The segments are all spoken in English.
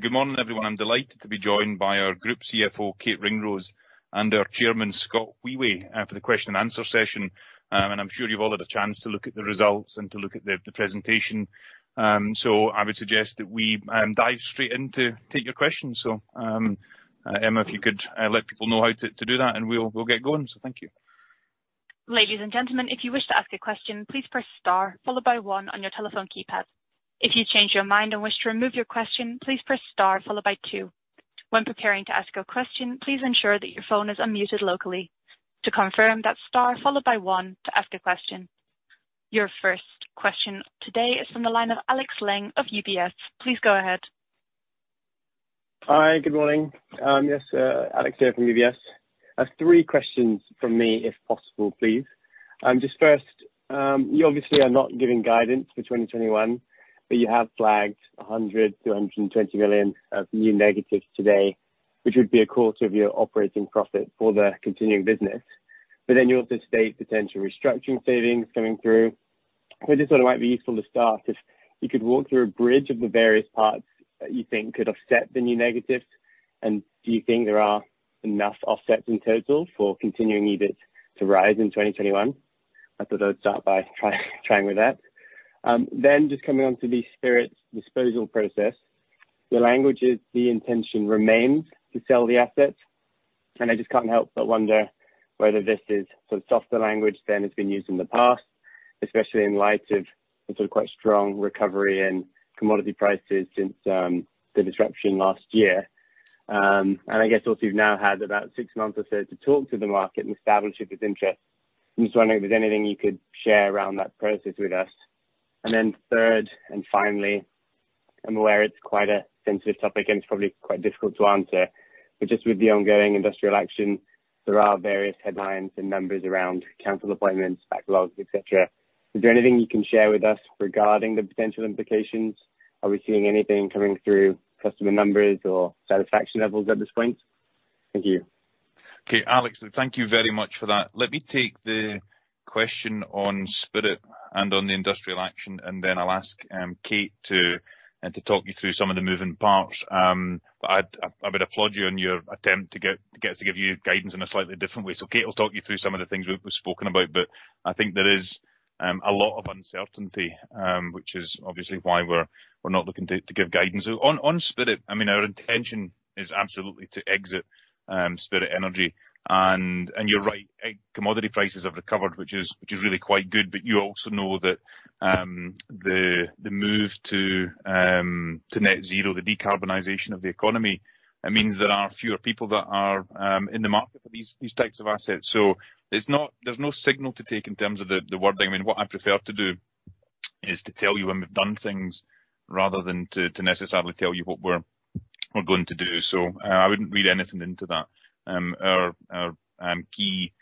Good morning, everyone. I'm delighted to be joined by our Group CFO, Kate Ringrose, and our Chairman, Scott Wheway, for the question and answer session. I'm sure you've all had a chance to look at the results and to look at the presentation. I would suggest that we dive straight in to take your questions. Emma, if you could let people know how to do that, and we'll get going. Thank you. Ladies and gentlemen, if you wish to ask a question please press star followed by one on your telephone keypad. If you change your mind or wish to remove your question, please press star followed by two. When preparing to ask a question please ensure that your phone is unmuted locally. To confirm that press star followed by one. Your first question today is from the line of Alex Leung of UBS. Please go ahead. Hi. Good morning. Yes, Alex here from UBS. Three questions from me, if possible, please. First, you obviously are not giving guidance for 2021, but you have flagged 100 million to 120 million of new negatives today, which would be a quarter of your operating profit for the continuing business. You also state potential restructuring savings coming through. I just thought it might be useful to start, if you could walk through a bridge of the various parts that you think could offset the new negatives, and do you think there are enough offsets in total for continuing EBIT to rise in 2021? I thought I'd start by trying with that. Just coming on to the Spirit disposal process, the language is the intention remains to sell the assets, I just can't help but wonder whether this is sort of softer language than has been used in the past, especially in light of the sort of quite strong recovery in commodity prices since the disruption last year. I guess also you've now had about six months or so to talk to the market and establish if there's interest. I'm just wondering if there's anything you could share around that process with us. Third, and finally, I'm aware it's quite a sensitive topic and it's probably quite difficult to answer, but just with the ongoing industrial action, there are various headlines and numbers around cancel appointments, backlogs, et cetera. Is there anything you can share with us regarding the potential implications? Are we seeing anything coming through customer numbers or satisfaction levels at this point? Thank you. Alex, thank you very much for that. Let me take the question on Spirit Energy and on the industrial action, and then I'll ask Kate to talk you through some of the moving parts. I would applaud you on your attempt to get us to give you guidance in a slightly different way. Kate will talk you through some of the things we've spoken about, but I think there is a lot of uncertainty, which is obviously why we're not looking to give guidance. On Spirit Energy, our intention is absolutely to exit Spirit Energy. You're right, commodity prices have recovered, which is really quite good, but you also know that the move to net zero, the decarbonization of the economy, it means there are fewer people that are in the market for these types of assets. There's no signal to take in terms of the wording. What I prefer to do is to tell you when we've done things rather than to necessarily tell you what we're going to do. I wouldn't read anything into that. Our key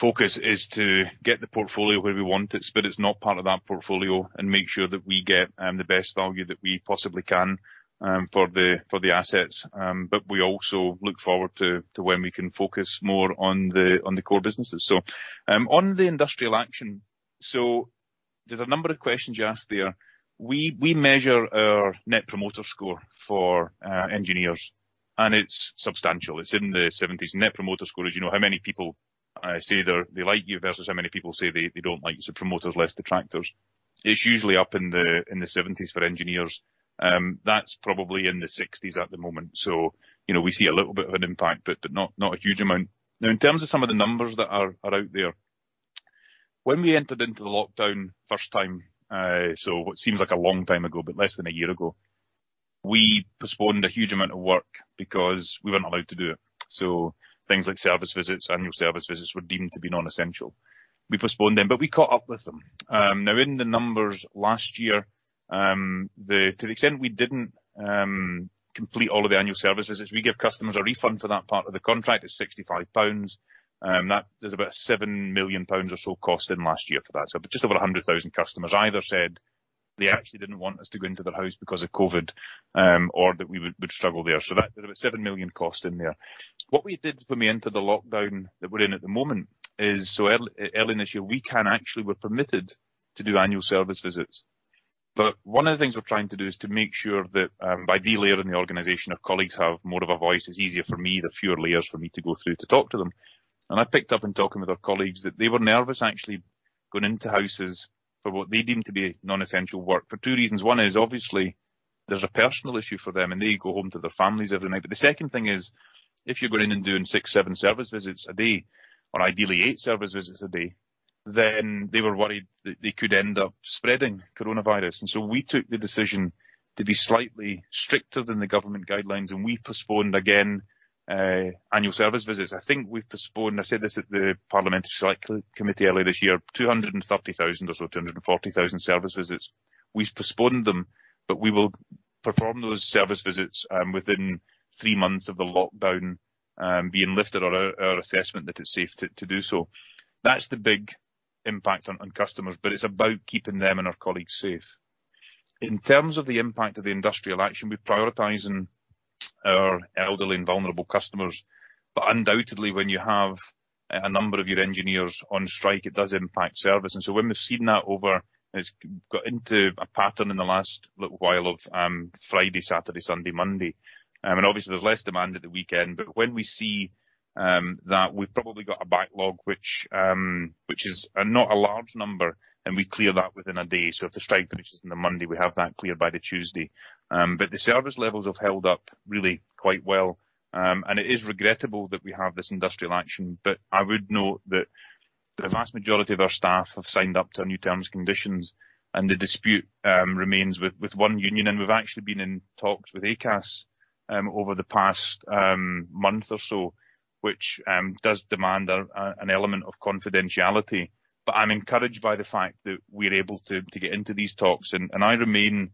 focus is to get the portfolio where we want it, Spirit's not part of that portfolio, and make sure that we get the best value that we possibly can for the assets. We also look forward to when we can focus more on the core businesses. On the industrial action, there's a number of questions you asked there. We measure our Net Promoter Score for engineers, and it's substantial. It's in the 70s. Net Promoter Score is how many people say they like you versus how many people say they don't like you, so promoters less detractors. It's usually up in the 70s for engineers. That's probably in the 60s at the moment. We see a little bit of an impact, but not a huge amount. Now, in terms of some of the numbers that are out there, when we entered into the lockdown first time, so what seems like a long time ago, but less than a year ago, we postponed a huge amount of work because we weren't allowed to do it. Things like service visits, annual service visits were deemed to be non-essential. We postponed them, we caught up with them. Now, in the numbers last year, to the extent we didn't complete all of the annual services, is we give customers a refund for that part of the contract. It's 65 pounds. There's about 7 million pounds or so cost in last year for that. Just over 100,000 customers either said they actually didn't want us to go into their house because of COVID, or that we would struggle there. That, there's about 7 million cost in there. What we did when we entered the lockdown that we're in at the moment is, early this year, we can actually, we're permitted to do annual service visits, but one of the things we're trying to do is to make sure that by de-layering the organization, our colleagues have more of a voice. It's easier for me, the fewer layers for me to go through to talk to them. I picked up in talking with our colleagues that they were nervous actually going into houses for what they deemed to be non-essential work for two reasons. One is obviously, there's a personal issue for them, and they go home to their families every night. The second thing is, if you're going in and doing six, seven service visits a day, or ideally eight service visits a day, then they were worried that they could end up spreading coronavirus. We took the decision to be slightly stricter than the government guidelines, and we postponed again annual service visits. I think we've postponed, I said this at the parliamentary select committee earlier this year, 230,000 or so, 240,000 service visits. We've postponed them, but we will perform those service visits within three months of the lockdown being lifted or our assessment that it's safe to do so. That's the big impact on customers, but it's about keeping them and our colleagues safe. In terms of the impact of the industrial action, we're prioritizing our elderly and vulnerable customers. Undoubtedly, when you have a number of your engineers on strike, it does impact service. When we've seen that over, it's got into a pattern in the last little while of Friday, Saturday, Sunday, Monday. Obviously, there's less demand at the weekend. When we see that, we've probably got a backlog which is not a large number, and we clear that within a day. If the strike finishes on the Monday, we have that cleared by the Tuesday. The service levels have held up really quite well. It is regrettable that we have this industrial action, but I would note that the vast majority of our staff have signed up to our new terms and conditions, and the dispute remains with one union. We've actually been in talks with Acas over the past month or so, which does demand an element of confidentiality. I'm encouraged by the fact that we're able to get into these talks, and I remain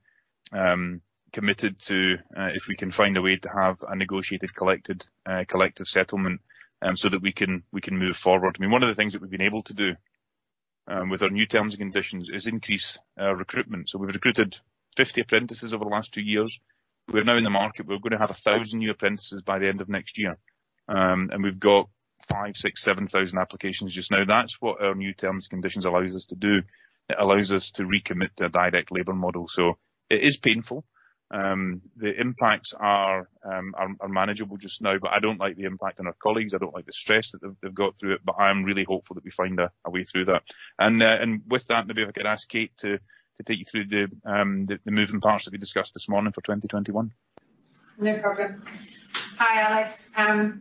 committed to if we can find a way to have a negotiated collective settlement so that we can move forward. One of the things that we've been able to do with our new terms and conditions is increase our recruitment. We've recruited 50 apprentices over the last two years. We're now in the market. We're going to have 1,000 new apprentices by the end of next year. We've got five, six, 7,000 applications just now. That's what our new terms and conditions allows us to do. It allows us to recommit to a direct labor model. It is painful. The impacts are manageable just now. I don't like the impact on our colleagues. I don't like the stress that they've got through it. I'm really hopeful that we find a way through that. With that, maybe if I could ask Kate to take you through the moving parts that we discussed this morning for 2021. No problem. Hi, Alex.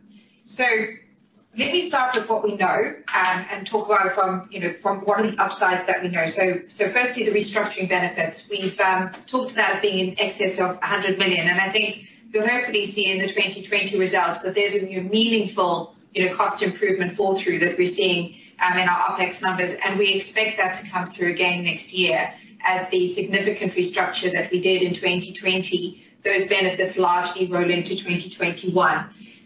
Let me start with what we know and talk about it from what are the upsides that we know. Firstly, the restructuring benefits. We've talked about it being in excess of 100 million, and I think you'll hopefully see in the 2020 results that there's a meaningful cost improvement fall through that we're seeing in our OpEx numbers, and we expect that to come through again next year as the significant restructure that we did in 2020, those benefits largely roll into 2021.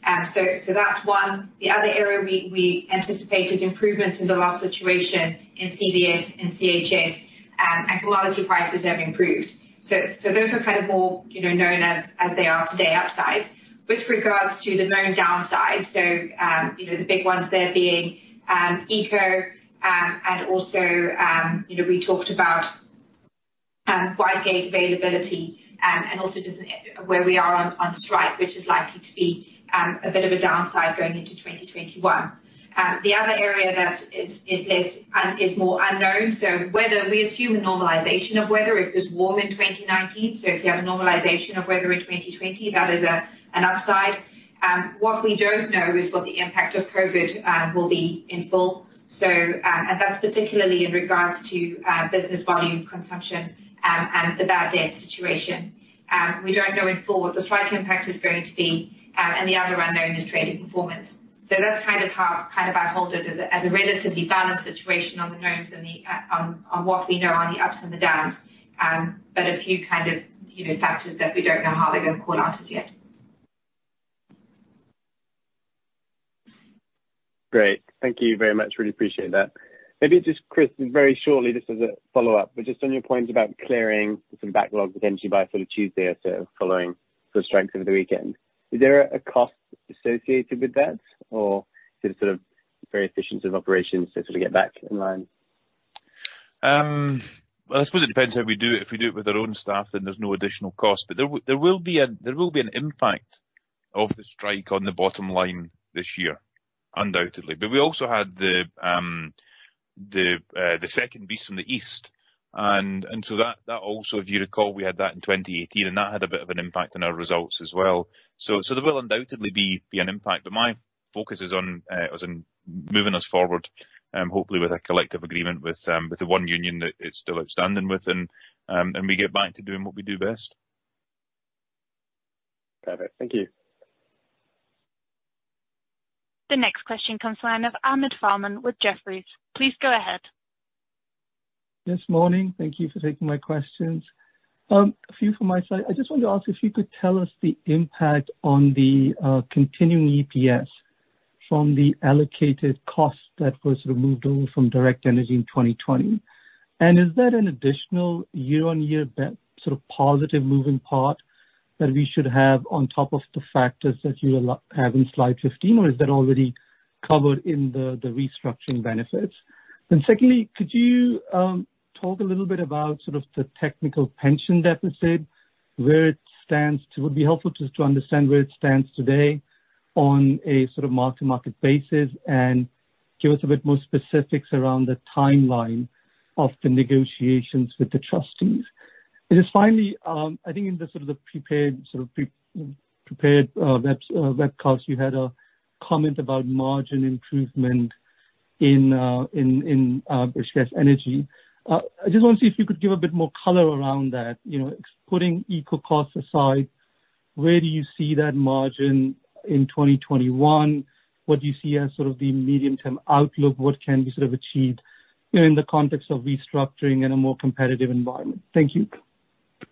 That's one. The other area we anticipated improvements in the loss situation in CBS and CHS, and commodity prices have improved. Those are more known as they are today upsides. With regards to the known downsides, the big ones there being ECO, and also we talked about wide-gauge availability, and also just where we are on strike, which is likely to be a bit of a downside going into 2021. The other area that is more unknown is weather. We assume a normalization of weather. It was warm in 2019. If you have a normalization of weather in 2020, that is an upside. What we don't know is what the impact of COVID will be in full. That's particularly in regards to business volume consumption and the bad debt situation. We don't know in full what the strike impact is going to be. The other unknown is trading performance. That's how I hold it as a relatively balanced situation on the knowns and on what we know are the ups and the downs. A few factors that we don't know how they're going to call out as yet. Great. Thank you very much. Really appreciate that. Maybe just Chris, very shortly, just as a follow-up. Just on your point about clearing some backlogs potentially by sort of Tuesday as following the strikes over the weekend, is there a cost associated with that, or is it very efficient of operations to sort of get back in line? Well, I suppose it depends how we do it. If we do it with our own staff, then there's no additional cost. There will be an impact of the strike on the bottom line this year, undoubtedly. We also had the second Beast from the East. That also, if you recall, we had that in 2018, and that had a bit of an impact on our results as well. There will undoubtedly be an impact. My focus is on moving us forward, hopefully with a collective agreement with the one union that it's still outstanding with, and we get back to doing what we do best. Perfect. Thank you. The next question comes from Ahmed Farman with Jefferies. Please go ahead. This morning. Thank you for taking my questions. A few from my side. I just wanted to ask if you could tell us the impact on the continuing EPS from the allocated cost that was removed over from Direct Energy in 2020. Is that an additional year-on-year positive moving part that we should have on top of the factors that you have in slide 15, or is that already covered in the restructuring benefits? Secondly, could you talk a little bit about the technical pension deficit, where it stands? It would be helpful to understand where it stands today on a mark-to-market basis and give us a bit more specifics around the timeline of the negotiations with the trustees. Just finally, I think in the prepared webcast, you had a comment about margin improvement in British Gas Energy. I just want to see if you could give a bit more color around that. Putting ECO costs aside, where do you see that margin in 2021? What do you see as sort of the medium-term outlook? What can be achieved in the context of restructuring in a more competitive environment? Thank you.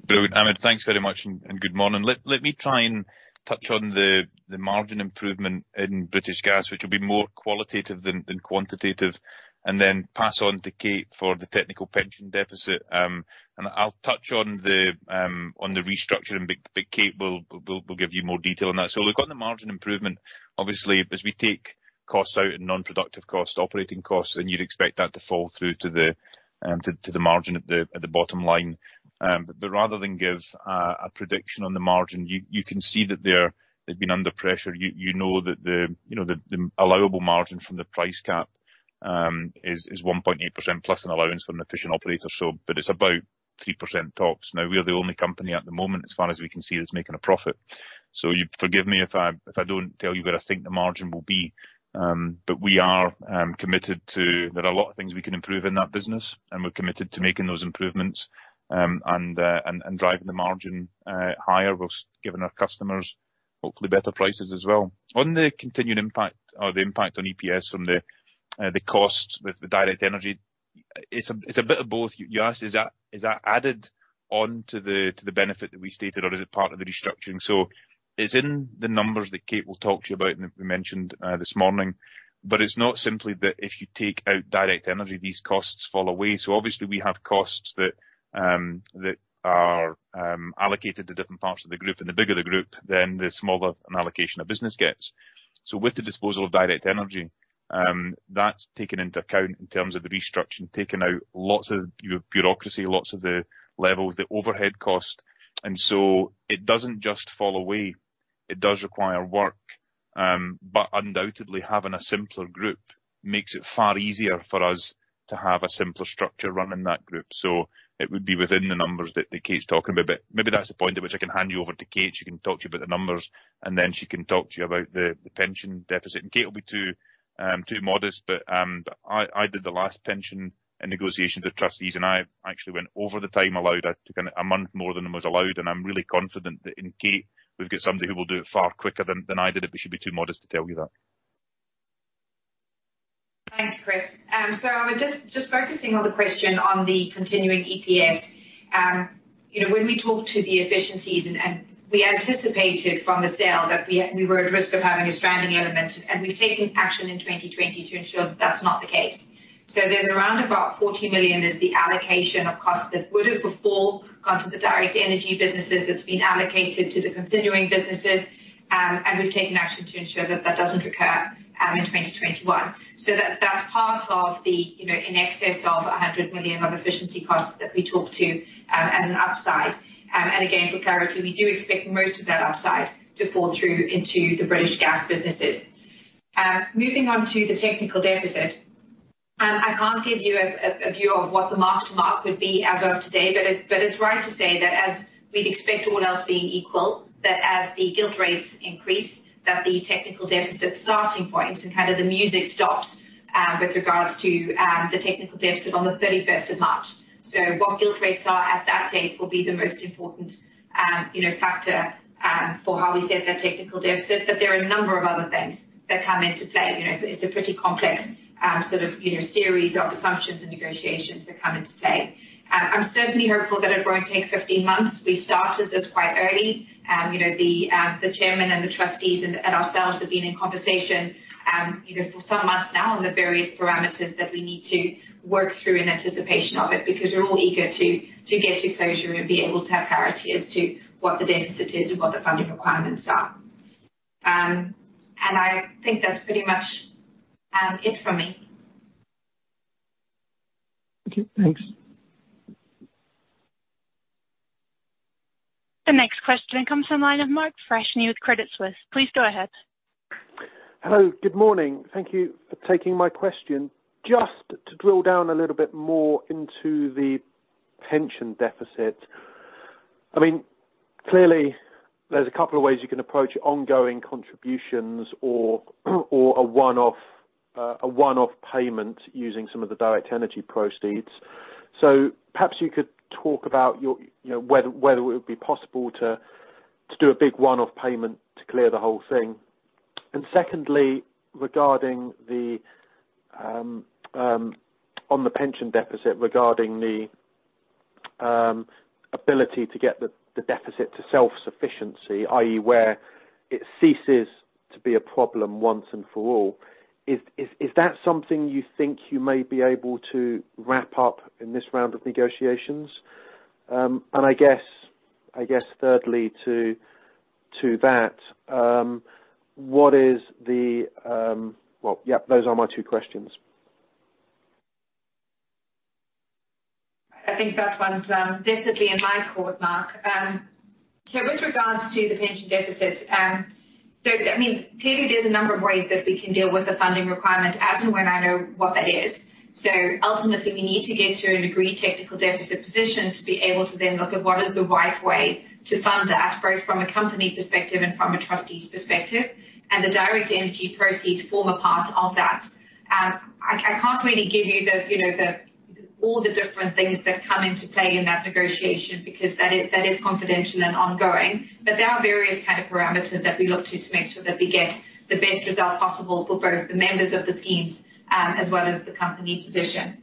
Brilliant. Ahmed, thanks very much, good morning. Let me try and touch on the margin improvement in British Gas, which will be more qualitative than quantitative, then pass on to Kate for the technical pension deficit. I'll touch on the restructuring, Kate will give you more detail on that. Look, on the margin improvement, obviously, as we take costs out, non-productive cost, operating costs, you'd expect that to fall through to the margin at the bottom line. Rather than give a prediction on the margin, you can see that they've been under pressure. You know the allowable margin from the price cap is 1.8% plus an allowance for an efficient operator, it's about 3% tops. We are the only company at the moment, as far as we can see, that's making a profit. You forgive me if I don't tell you where I think the margin will be. There are a lot of things we can improve in that business, and we're committed to making those improvements, and driving the margin higher whilst giving our customers hopefully better prices as well. On the continuing impact or the impact on EPS from the cost with the Direct Energy, it's a bit of both. You asked, is that added on to the benefit that we stated, or is it part of the restructuring? It's in the numbers that Kate will talk to you about and that we mentioned this morning. But it's not simply that if you take out Direct Energy, these costs fall away. Obviously, we have costs that are allocated to different parts of the group. The bigger the group, then the smaller an allocation a business gets. With the disposal of Direct Energy, that's taken into account in terms of the restructuring, taking out lots of bureaucracy, lots of the levels, the overhead cost. It doesn't just fall away. It does require work. Undoubtedly, having a simpler group makes it far easier for us to have a simpler structure running that group. It would be within the numbers that Kate's talking about. Maybe that's the point at which I can hand you over to Kate. She can talk to you about the numbers, and then she can talk to you about the pension deficit. Kate will be too modest, but I did the last pension and negotiation with trustees, and I actually went over the time allowed. I took a month more than was allowed, and I'm really confident that in Kate, we've got somebody who will do it far quicker than I did, but she'd be too modest to tell you that. Thanks, Chris. Just focusing on the question on the continuing EPS. When we talk to the efficiencies, and we anticipated from the sale that we were at risk of having a stranding element, and we've taken action in 2020 to ensure that that's not the case. There's around about 40 million is the allocation of costs that would have before gone to the Direct Energy businesses that's been allocated to the continuing businesses. We've taken action to ensure that that doesn't recur in 2021. That's part of the in excess of 100 million of efficiency costs that we talked to as an upside. Again, for clarity, we do expect most of that upside to fall through into the British Gas businesses. Moving on to the technical deficit. I can't give you a view of what the mark to mark would be as of today, but it's right to say that as we'd expect all else being equal, that as the gilt rates increase, that the technical deficit starting point and kind of the music stops, with regards to the technical deficit on the 31st of March. What gilt rates are at that date will be the most important factor for how we set that technical deficit. There are a number of other things that come into play. It's a pretty complex sort of series of assumptions and negotiations that come into play. I'm certainly hopeful that it won't take 15 months. We started this quite early. The chairman and the trustees and ourselves have been in conversation for some months now on the various parameters that we need to work through in anticipation of it, because we're all eager to get to closure and be able to have clarity as to what the deficit is and what the funding requirements are. I think that's pretty much it for me. Okay, thanks. The next question comes from the line of Mark Freshney with Credit Suisse. Please go ahead. Hello. Good morning. Thank you for taking my question. Just to drill down a little bit more into the pension deficit. Clearly, there's a couple of ways you can approach ongoing contributions or a one-off payment using some of the Direct Energy proceeds. Perhaps you could talk about whether it would be possible to do a big one-off payment to clear the whole thing. Secondly, on the pension deficit, regarding the ability to get the deficit to self-sufficiency, i.e. where it ceases to be a problem once and for all. Is that something you think you may be able to wrap up in this round of negotiations? I guess thirdly to that, what is the Well, yeah, those are my two questions. I think that one's definitely in my court, Mark. With regards to the pension deficit, clearly, there's a number of ways that we can deal with the funding requirement as and when I know what that is. Ultimately, we need to get to an agreed technical deficit position to be able to then look at what is the right way to fund that, both from a company perspective and from a trustee's perspective. The Direct Energy proceeds form a part of that. I can't really give you all the different things that come into play in that negotiation because that is confidential and ongoing. There are various kind of parameters that we look to to make sure that we get the best result possible for both the members of the schemes, as well as the company position.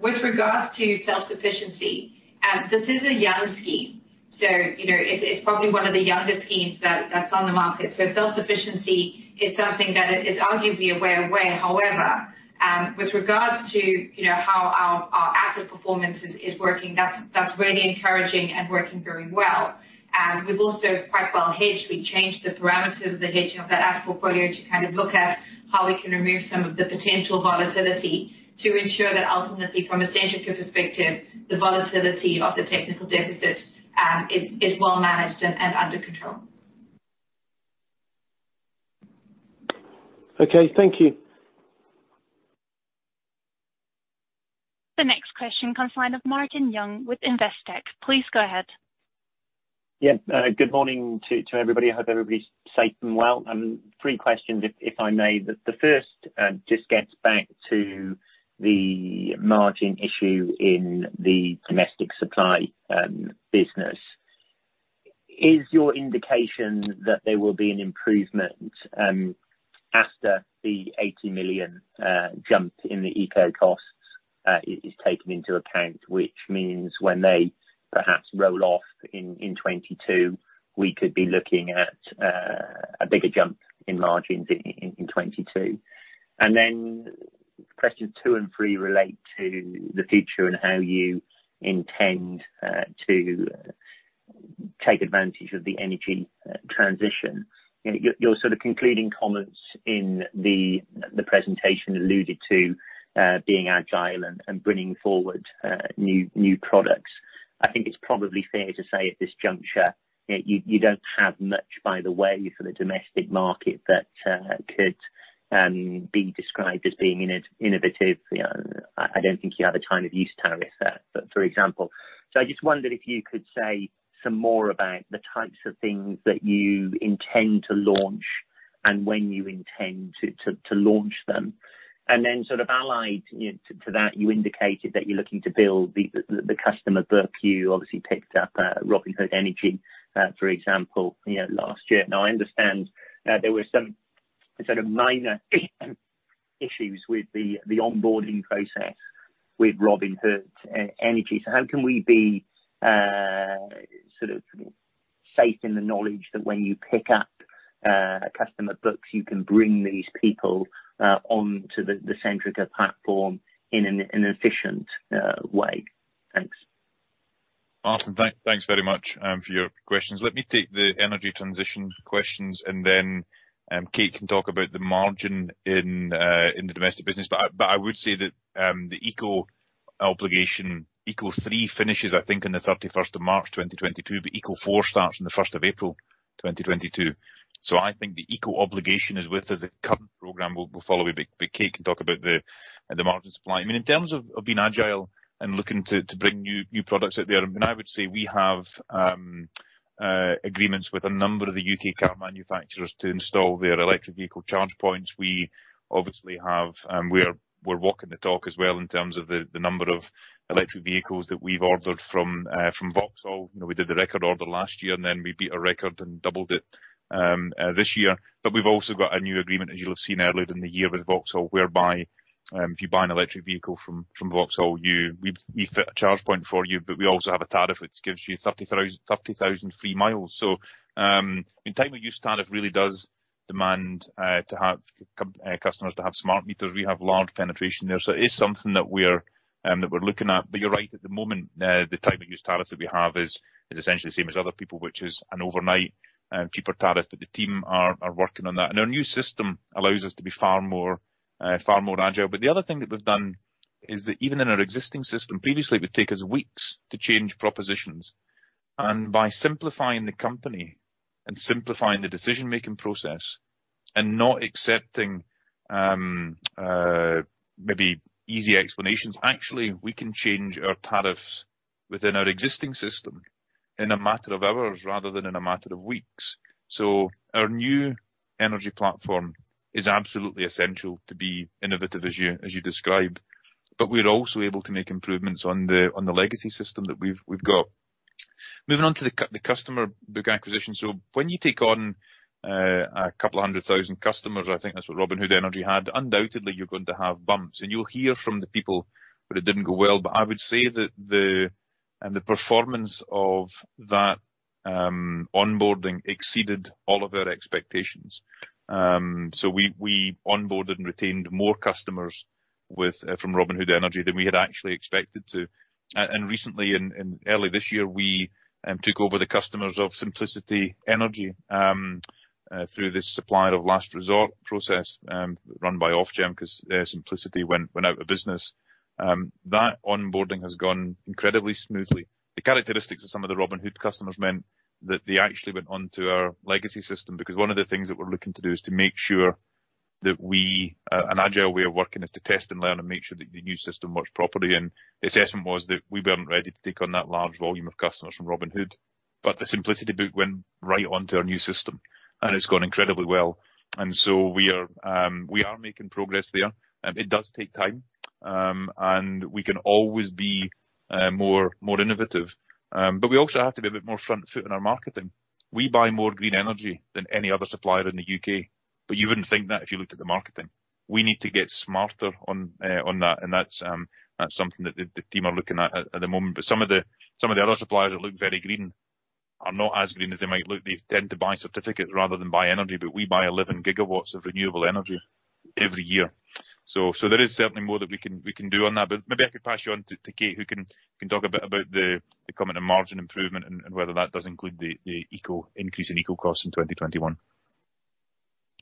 With regards to self-sufficiency, this is a young scheme. It's probably one of the youngest schemes that's on the market. Self-sufficiency is something that is arguably a way away. However, with regards to how our asset performance is working, that's really encouraging and working very well. We've also quite well hedged. We changed the parameters of the hedging of that asset portfolio to look at how we can remove some of the potential volatility to ensure that ultimately from a Centrica perspective, the volatility of the technical deficit is well managed and under control. Okay, thank you. The next question comes line of Martin Young with Investec. Please go ahead. Good morning to everybody. I hope everybody's safe and well. Three questions, if I may. The first just gets back to the margin issue in the domestic supply business. Is your indication that there will be an improvement after the 80 million jump in the ECO costs is taken into account, which means when they perhaps roll off in 2022, we could be looking at a bigger jump in margins in 2022? Questions two and three relate to the future and how you intend to take advantage of the energy transition. Your concluding comments in the presentation alluded to being agile and bringing forward new products. I think it's probably fair to say at this juncture, you don't have much, by the way, for the domestic market that could be described as being innovative. I don't think you have a time of use tariff there, for example. I just wondered if you could say some more about the types of things that you intend to launch and when you intend to launch them. Sort of allied to that, you indicated that you're looking to build the customer book. You obviously picked up Robin Hood Energy, for example, last year. I understand there were some sort of minor issues with the onboarding process with Robin Hood Energy. How can we be safe in the knowledge that when you pick up customer books, you can bring these people onto the Centrica platform in an efficient way? Thanks. Martin, thanks very much for your questions. Let me take the energy transition questions, then Kate can talk about the margin in the domestic business. I would say that the ECO obligation, ECO3 finishes, I think, on the 31st of March 2022, but ECO4 starts on the 1st of April 2022. I think the ECO obligation is with us. The current program will follow, but Kate can talk about the margin supply. In terms of being agile and looking to bring new products out there, I would say we have agreements with a number of the U.K. car manufacturers to install their electric vehicle charge points. We're walking the talk as well in terms of the number of electric vehicles that we've ordered from Vauxhall. We did the record order last year, then we beat our record and doubled it this year. We've also got a new agreement, as you'll have seen earlier in the year with Vauxhall, whereby if you buy an electric vehicle from Vauxhall, we fit a charge point for you. We also have a tariff which gives you 30,000 free miles. Time of use tariff really does demand customers to have smart meters. We have large penetration there. It is something that we're looking at. You're right. At the moment, the time of use tariff that we have is essentially the same as other people, which is an overnight cheaper tariff. The team are working on that. Our new system allows us to be far more agile. The other thing that we've done is that even in our existing system, previously, it would take us weeks to change propositions. By simplifying the company and simplifying the decision-making process and not accepting maybe easy explanations, actually, we can change our tariffs within our existing system in a matter of hours rather than in a matter of weeks. Our new energy platform is absolutely essential to be innovative as you described. We're also able to make improvements on the legacy system that we've got. Moving on to the customer book acquisition. When you take on a couple of 100,000 customers, I think that's what Robin Hood Energy had, undoubtedly, you're going to have bumps, and you'll hear from the people that it didn't go well. I would say that the performance of that onboarding exceeded all of our expectations. We onboarded and retained more customers from Robin Hood Energy than we had actually expected to. Recently, in early this year, we took over the customers of Simplicity Energy through this Supplier of Last Resort process run by Ofgem because Simplicity Energy went out of business. That onboarding has gone incredibly smoothly. The characteristics of some of the Robin Hood Energy customers meant that they actually went onto our legacy system because one of the things that we're looking to do is to make sure that we, an agile way of working is to test and learn and make sure that the new system works properly. The assessment was that we weren't ready to take on that large volume of customers from Robin Hood Energy. The Simplicity Energy book went right onto our new system, and it's gone incredibly well. We are making progress there. It does take time, and we can always be more innovative. We also have to be a bit more front foot in our marketing. We buy more green energy than any other supplier in the U.K. You wouldn't think that if you looked at the marketing. We need to get smarter on that, and that's something that the team are looking at at the moment. Some of the other suppliers that look very green are not as green as they might look. They tend to buy certificates rather than buy energy, but we buy 11 gigawatts of renewable energy every year. There is certainly more that we can do on that. Maybe I could pass you on to Kate, who can talk a bit about the upcoming margin improvement and whether that does include the increase in eco costs in 2021.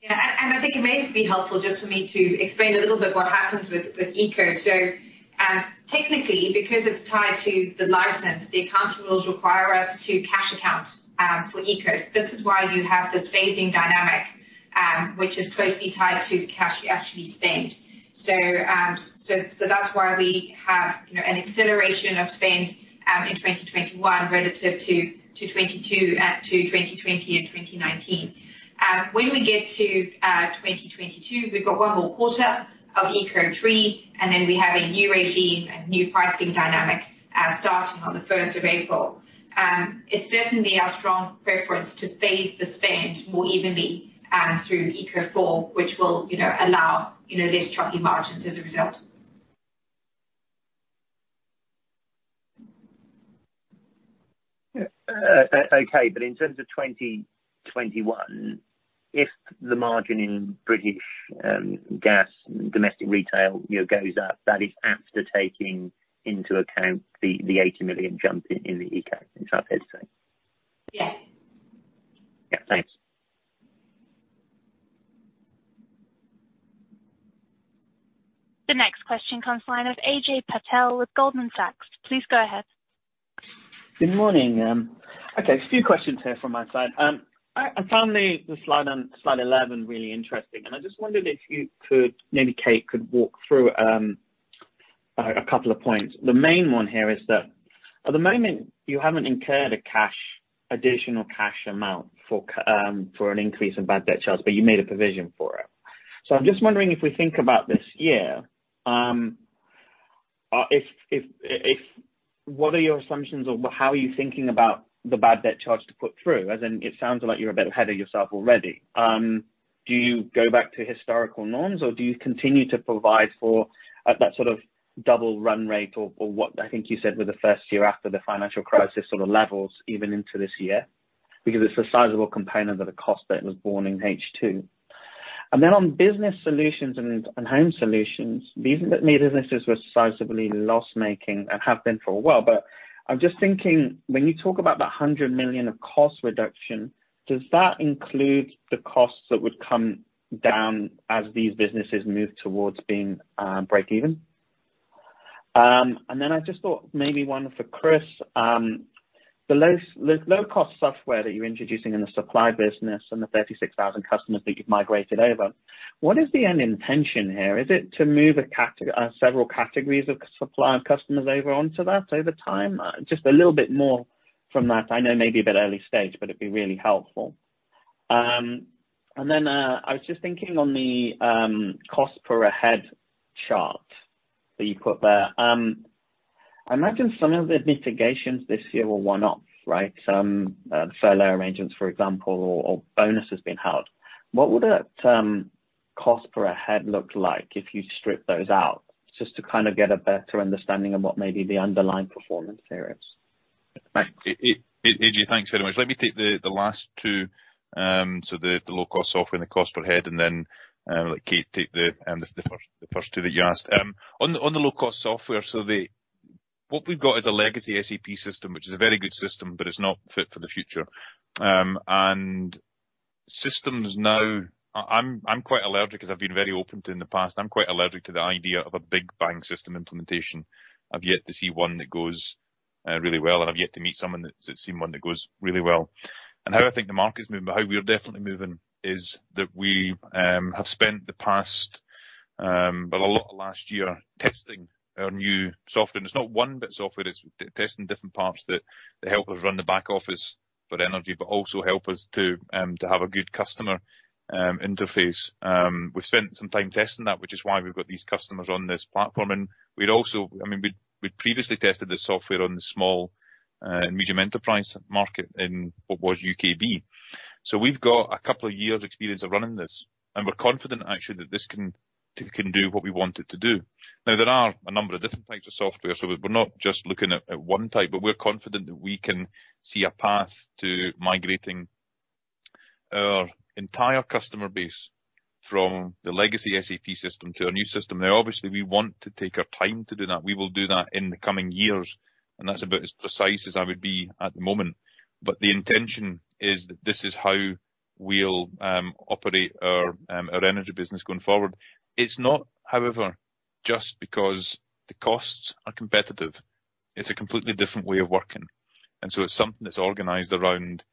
Yeah. I think it may be helpful just for me to explain a little bit what happens with ECO. Technically, because it's tied to the license, the accounting rules require us to cash account for ECOs. This is why you have this phasing dynamic, which is closely tied to the cash we actually spend. That's why we have an acceleration of spend in 2021 relative to 2022 and to 2020 and 2019. When we get to 2022, we've got one more quarter of ECO3, and then we have a new regime, a new pricing dynamic starting on the 1st of April. It's definitely our strong preference to phase the spend more evenly through ECO4, which will allow less choppy margins as a result. Okay. In terms of 2021, if the margin in British Gas domestic retail goes up, that is after taking into account the 80 million jump in the ECO, is that what you're saying? Yeah. Yeah, thanks. The next question comes line of Ajay Patel with Goldman Sachs. Please go ahead. Good morning. Okay, a few questions here from my side. I found the slide 11 really interesting. I just wondered if you could, maybe Kate could walk through a couple of points. The main one here is that at the moment you haven't incurred an additional cash amount for an increase in bad debt charge, but you made a provision for it. I'm just wondering if we think about this year, what are your assumptions, or how are you thinking about the bad debt charge to put through? As in, it sounds like you're a bit ahead of yourself already. Do you go back to historical norms or do you continue to provide for that sort of double run rate or what I think you said was the first year after the financial crisis sort of levels even into this year? It's a sizable component of the cost that was born in H2. On Business Solutions and Home Solutions, these businesses were sizably loss-making and have been for a while. I'm just thinking, when you talk about that 100 million of cost reduction, does that include the costs that would come down as these businesses move towards being break even? I just thought maybe one for Chris. The low-cost software that you're introducing in the supply business and the 36,000 customers that you've migrated over, what is the end intention here? Is it to move several categories of supply of customers over onto that over time? Just a little bit more from that. I know maybe a bit early stage, but it'd be really helpful. I was just thinking on the cost per head chart that you put there. I imagine some of the mitigations this year were one-offs, right? Some furlough arrangements, for example, or bonuses being held. What would that cost per head look like if you strip those out, just to kind of get a better understanding of what maybe the underlying performance there is? Ajay, thanks very much. Let me take the last two, so the low-cost software and the cost per head, then let Kate take the first two that you asked. On the low-cost software, what we've got is a legacy SAP system, which is a very good system, but it's not fit for the future. Systems now, I'm quite allergic, as I've been very open to in the past, I'm quite allergic to the idea of a big bang system implementation. I've yet to see one that goes really well, and I've yet to meet someone that seen one that goes really well. How I think the market is moving, but how we are definitely moving is that we have spent the past, well, a lot of last year testing our new software. It's not one bit of software. It's testing different parts that help us run the back office for the energy, but also help us to have a good customer interface. We've spent some time testing that, which is why we've got these customers on this platform. I mean, we'd previously tested the software on the small and medium enterprise market in what was UKB. We've got a couple of years experience of running this, and we're confident actually that this can do what we want it to do. There are a number of different types of software. We're not just looking at one type, but we're confident that we can see a path to migrating our entire customer base from the legacy SAP system to our new system. Obviously, we want to take our time to do that. We will do that in the coming years, and that's about as precise as I would be at the moment. The intention is that this is how we'll operate our energy business going forward. It's not, however, just because the costs are competitive. It's a completely different way of working. It's something that's organized around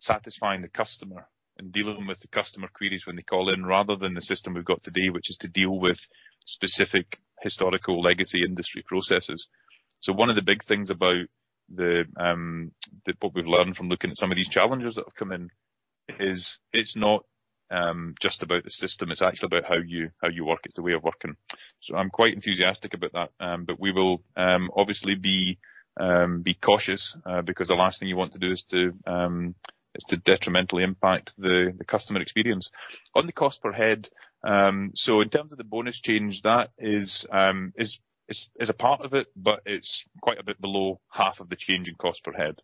satisfying the customer and dealing with the customer queries when they call in rather than the system we've got today, which is to deal with specific historical legacy industry processes. One of the big things about what we've learned from looking at some of these challenges that have come in. It's not just about the system, it's actually about how you work. It's the way of working. I'm quite enthusiastic about that. We will obviously be cautious, because the last thing you want to do is to detrimentally impact the customer experience. On the cost per head, in terms of the bonus change, that is a part of it, but it's quite a bit below half of the change in cost per head.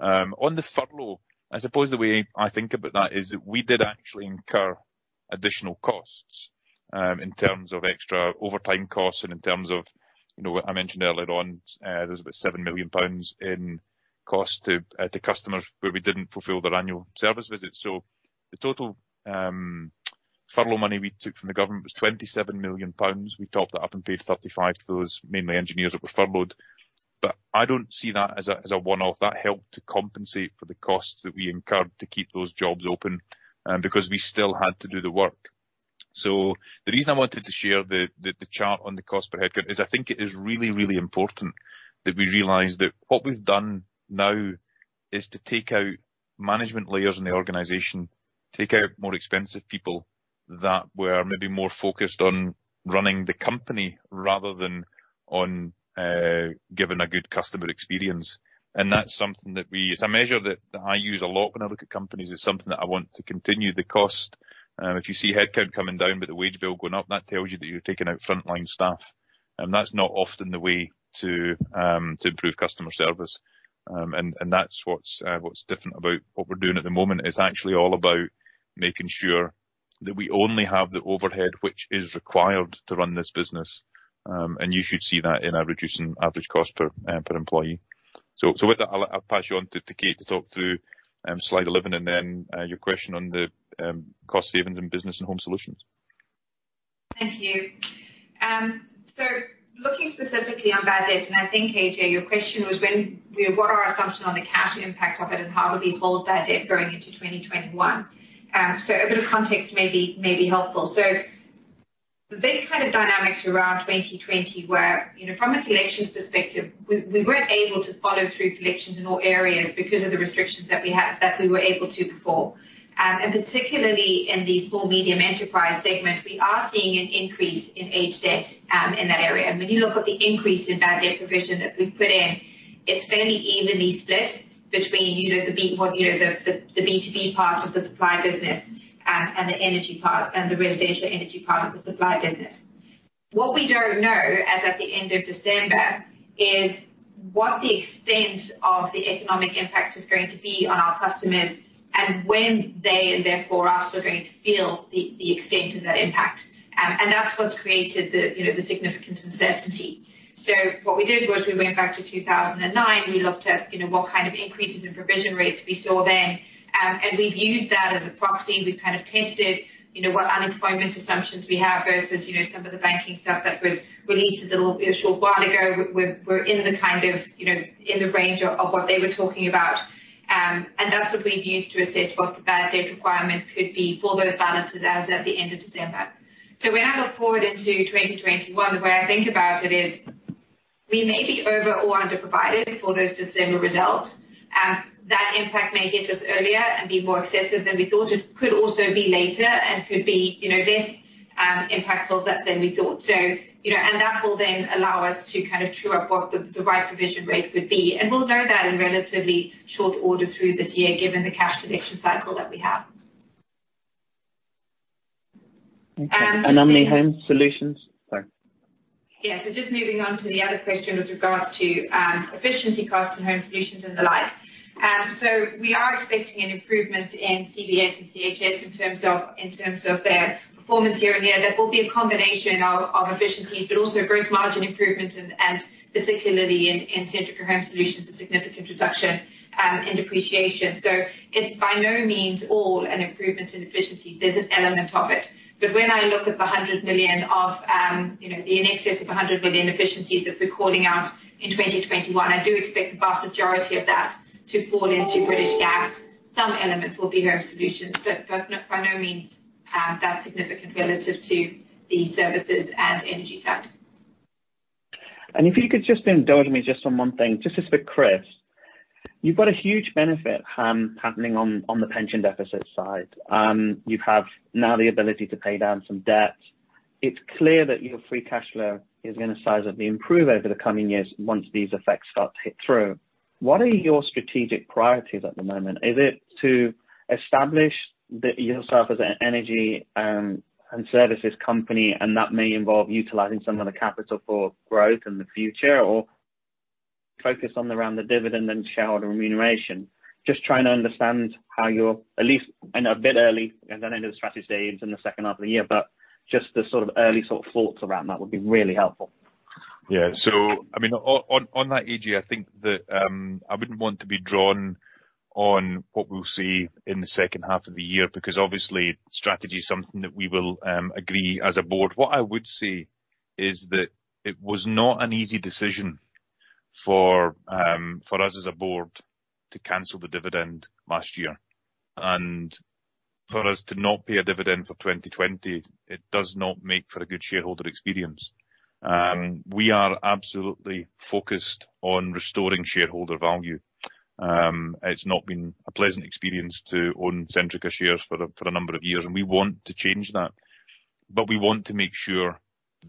On the furlough, I suppose the way I think about that is that we did actually incur additional costs, in terms of extra overtime costs and in terms of what I mentioned earlier on, there's about 7 million pounds in cost to customers where we didn't fulfill their annual service visit. The total furlough money we took from the government was 27 million pounds. We topped that up and paid 35 to those mainly engineers that were furloughed. I don't see that as a one-off. That helped to compensate for the costs that we incurred to keep those jobs open, because we still had to do the work. The reason I wanted to share the chart on the cost per headcount is I think it is really important that we realize that what we've done now is to take out management layers in the organization, take out more expensive people that were maybe more focused on running the company rather than on giving a good customer experience. That's something that we, as a measure that I use a lot when I look at companies, is something that I want to continue. The cost, if you see headcount coming down but the wage bill going up, that tells you that you're taking out frontline staff. That's not often the way to improve customer service. That's what's different about what we're doing at the moment, is actually all about making sure that we only have the overhead which is required to run this business. You should see that in our reducing average cost per employee. With that, I'll pass you on to Kate to talk through slide 11 and then your question on the cost savings in business and home solutions. Thank you. Looking specifically on bad debt, and I think, Ajay your question was what are our assumptions on the cash impact of it and how do we hold bad debt going into 2021? A bit of context may be helpful. The big kind of dynamics around 2020 were, from a collection's perspective, we weren't able to follow through collections in all areas because of the restrictions that we were able to perform. Particularly in the small medium enterprise segment, we are seeing an increase in aged debt in that area. When you look at the increase in bad debt provision that we've put in, it's fairly evenly split between the B2B part of the supply business and the residential energy part of the supply business. What we don't know as at the end of December is what the extent of the economic impact is going to be on our customers and when they and therefore us are going to feel the extent of that impact. That's what's created the significant uncertainty. What we did was we went back to 2009. We looked at what kind of increases in provision rates we saw then, and we've used that as a proxy. We've kind of tested what unemployment assumptions we have versus some of the banking stuff that was released a short while ago. We're in the range of what they were talking about. That's what we've used to assess what the bad debt requirement could be for those balances as at the end of December. When I look forward into 2021, the way I think about it is we may be over or under-provided for those December results. That impact may hit us earlier and be more excessive than we thought. It could also be later and could be less impactful than we thought. That will then allow us to kind of true up what the right provision rate would be. We'll know that in relatively short order through this year, given the cash collection cycle that we have. Okay. How many Home Solutions? Sorry. Just moving on to the other question with regards to efficiency costs and home solutions and the like. We are expecting an improvement in CBS and CHS in terms of their performance year on year. That will be a combination of efficiencies, but also gross margin improvements, and particularly in Centrica Home Solutions, a significant reduction in depreciation. It's by no means all an improvement in efficiencies. There's an element of it. When I look at the in excess of 100 million efficiencies that we're calling out in 2021, I do expect the vast majority of that to fall into British Gas. Some element will be home solutions, but by no means that significant relative to the services and energy side. If you could just indulge me just on one thing, just with Chris. You've got a huge benefit happening on the pension deficit side. You have now the ability to pay down some debt. It's clear that your free cash flow is going to sizably improve over the coming years once these effects start to hit through. What are your strategic priorities at the moment? Is it to establish yourself as an energy and services company, and that may involve utilizing some of the capital for growth in the future? Focus on around the dividend and shareholder remuneration? Just trying to understand how you're, at least, I know a bit early, and then into the strategy day and into the second half of the year, but just the sort of early sort of thoughts around that would be really helpful. On that, Ajay, I think that I wouldn't want to be drawn on what we'll see in the second half of the year, because obviously strategy is something that we will agree as a board. What I would say is that it was not an easy decision for us as a board to cancel the dividend last year. For us to not pay a dividend for 2020, it does not make for a good shareholder experience. We are absolutely focused on restoring shareholder value. It's not been a pleasant experience to own Centrica shares for a number of years, and we want to change that. We want to make sure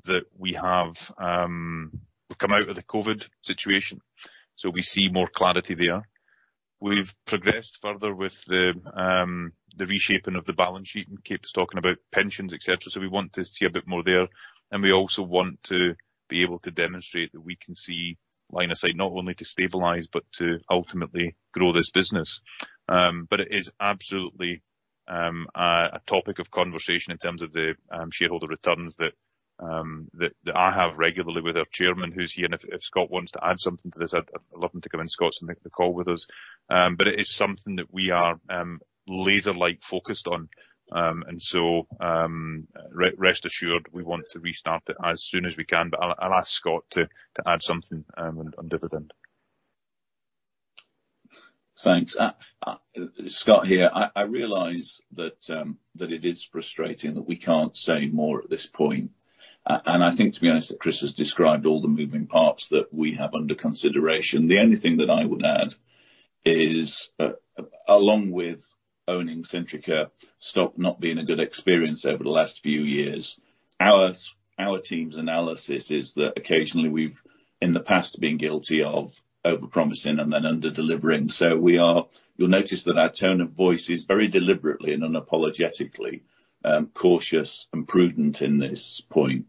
that we've come out of the COVID situation, so we see more clarity there. We've progressed further with the reshaping of the balance sheet, Kate was talking about pensions, et cetera. We want to see a bit more there, and we also want to be able to demonstrate that we can see line of sight, not only to stabilize but to ultimately grow this business. It is absolutely a topic of conversation in terms of the shareholder returns that I have regularly with our chairman, who's here. If Scott wants to add something to this, I'd love him to come in. Scott is on the call with us. It is something that we are laser-like focused on. Rest assured, we want to restart it as soon as we can. I'll ask Scott to add something on dividend. Thanks. Scott here. I realize that it is frustrating that we can't say more at this point. I think, to be honest, that Chris has described all the moving parts that we have under consideration. The only thing that I would add is, along with owning Centrica stock not being a good experience over the last few years, our team's analysis is that occasionally we've, in the past, been guilty of overpromising and then under-delivering. You'll notice that our tone of voice is very deliberately and unapologetically cautious and prudent in this point.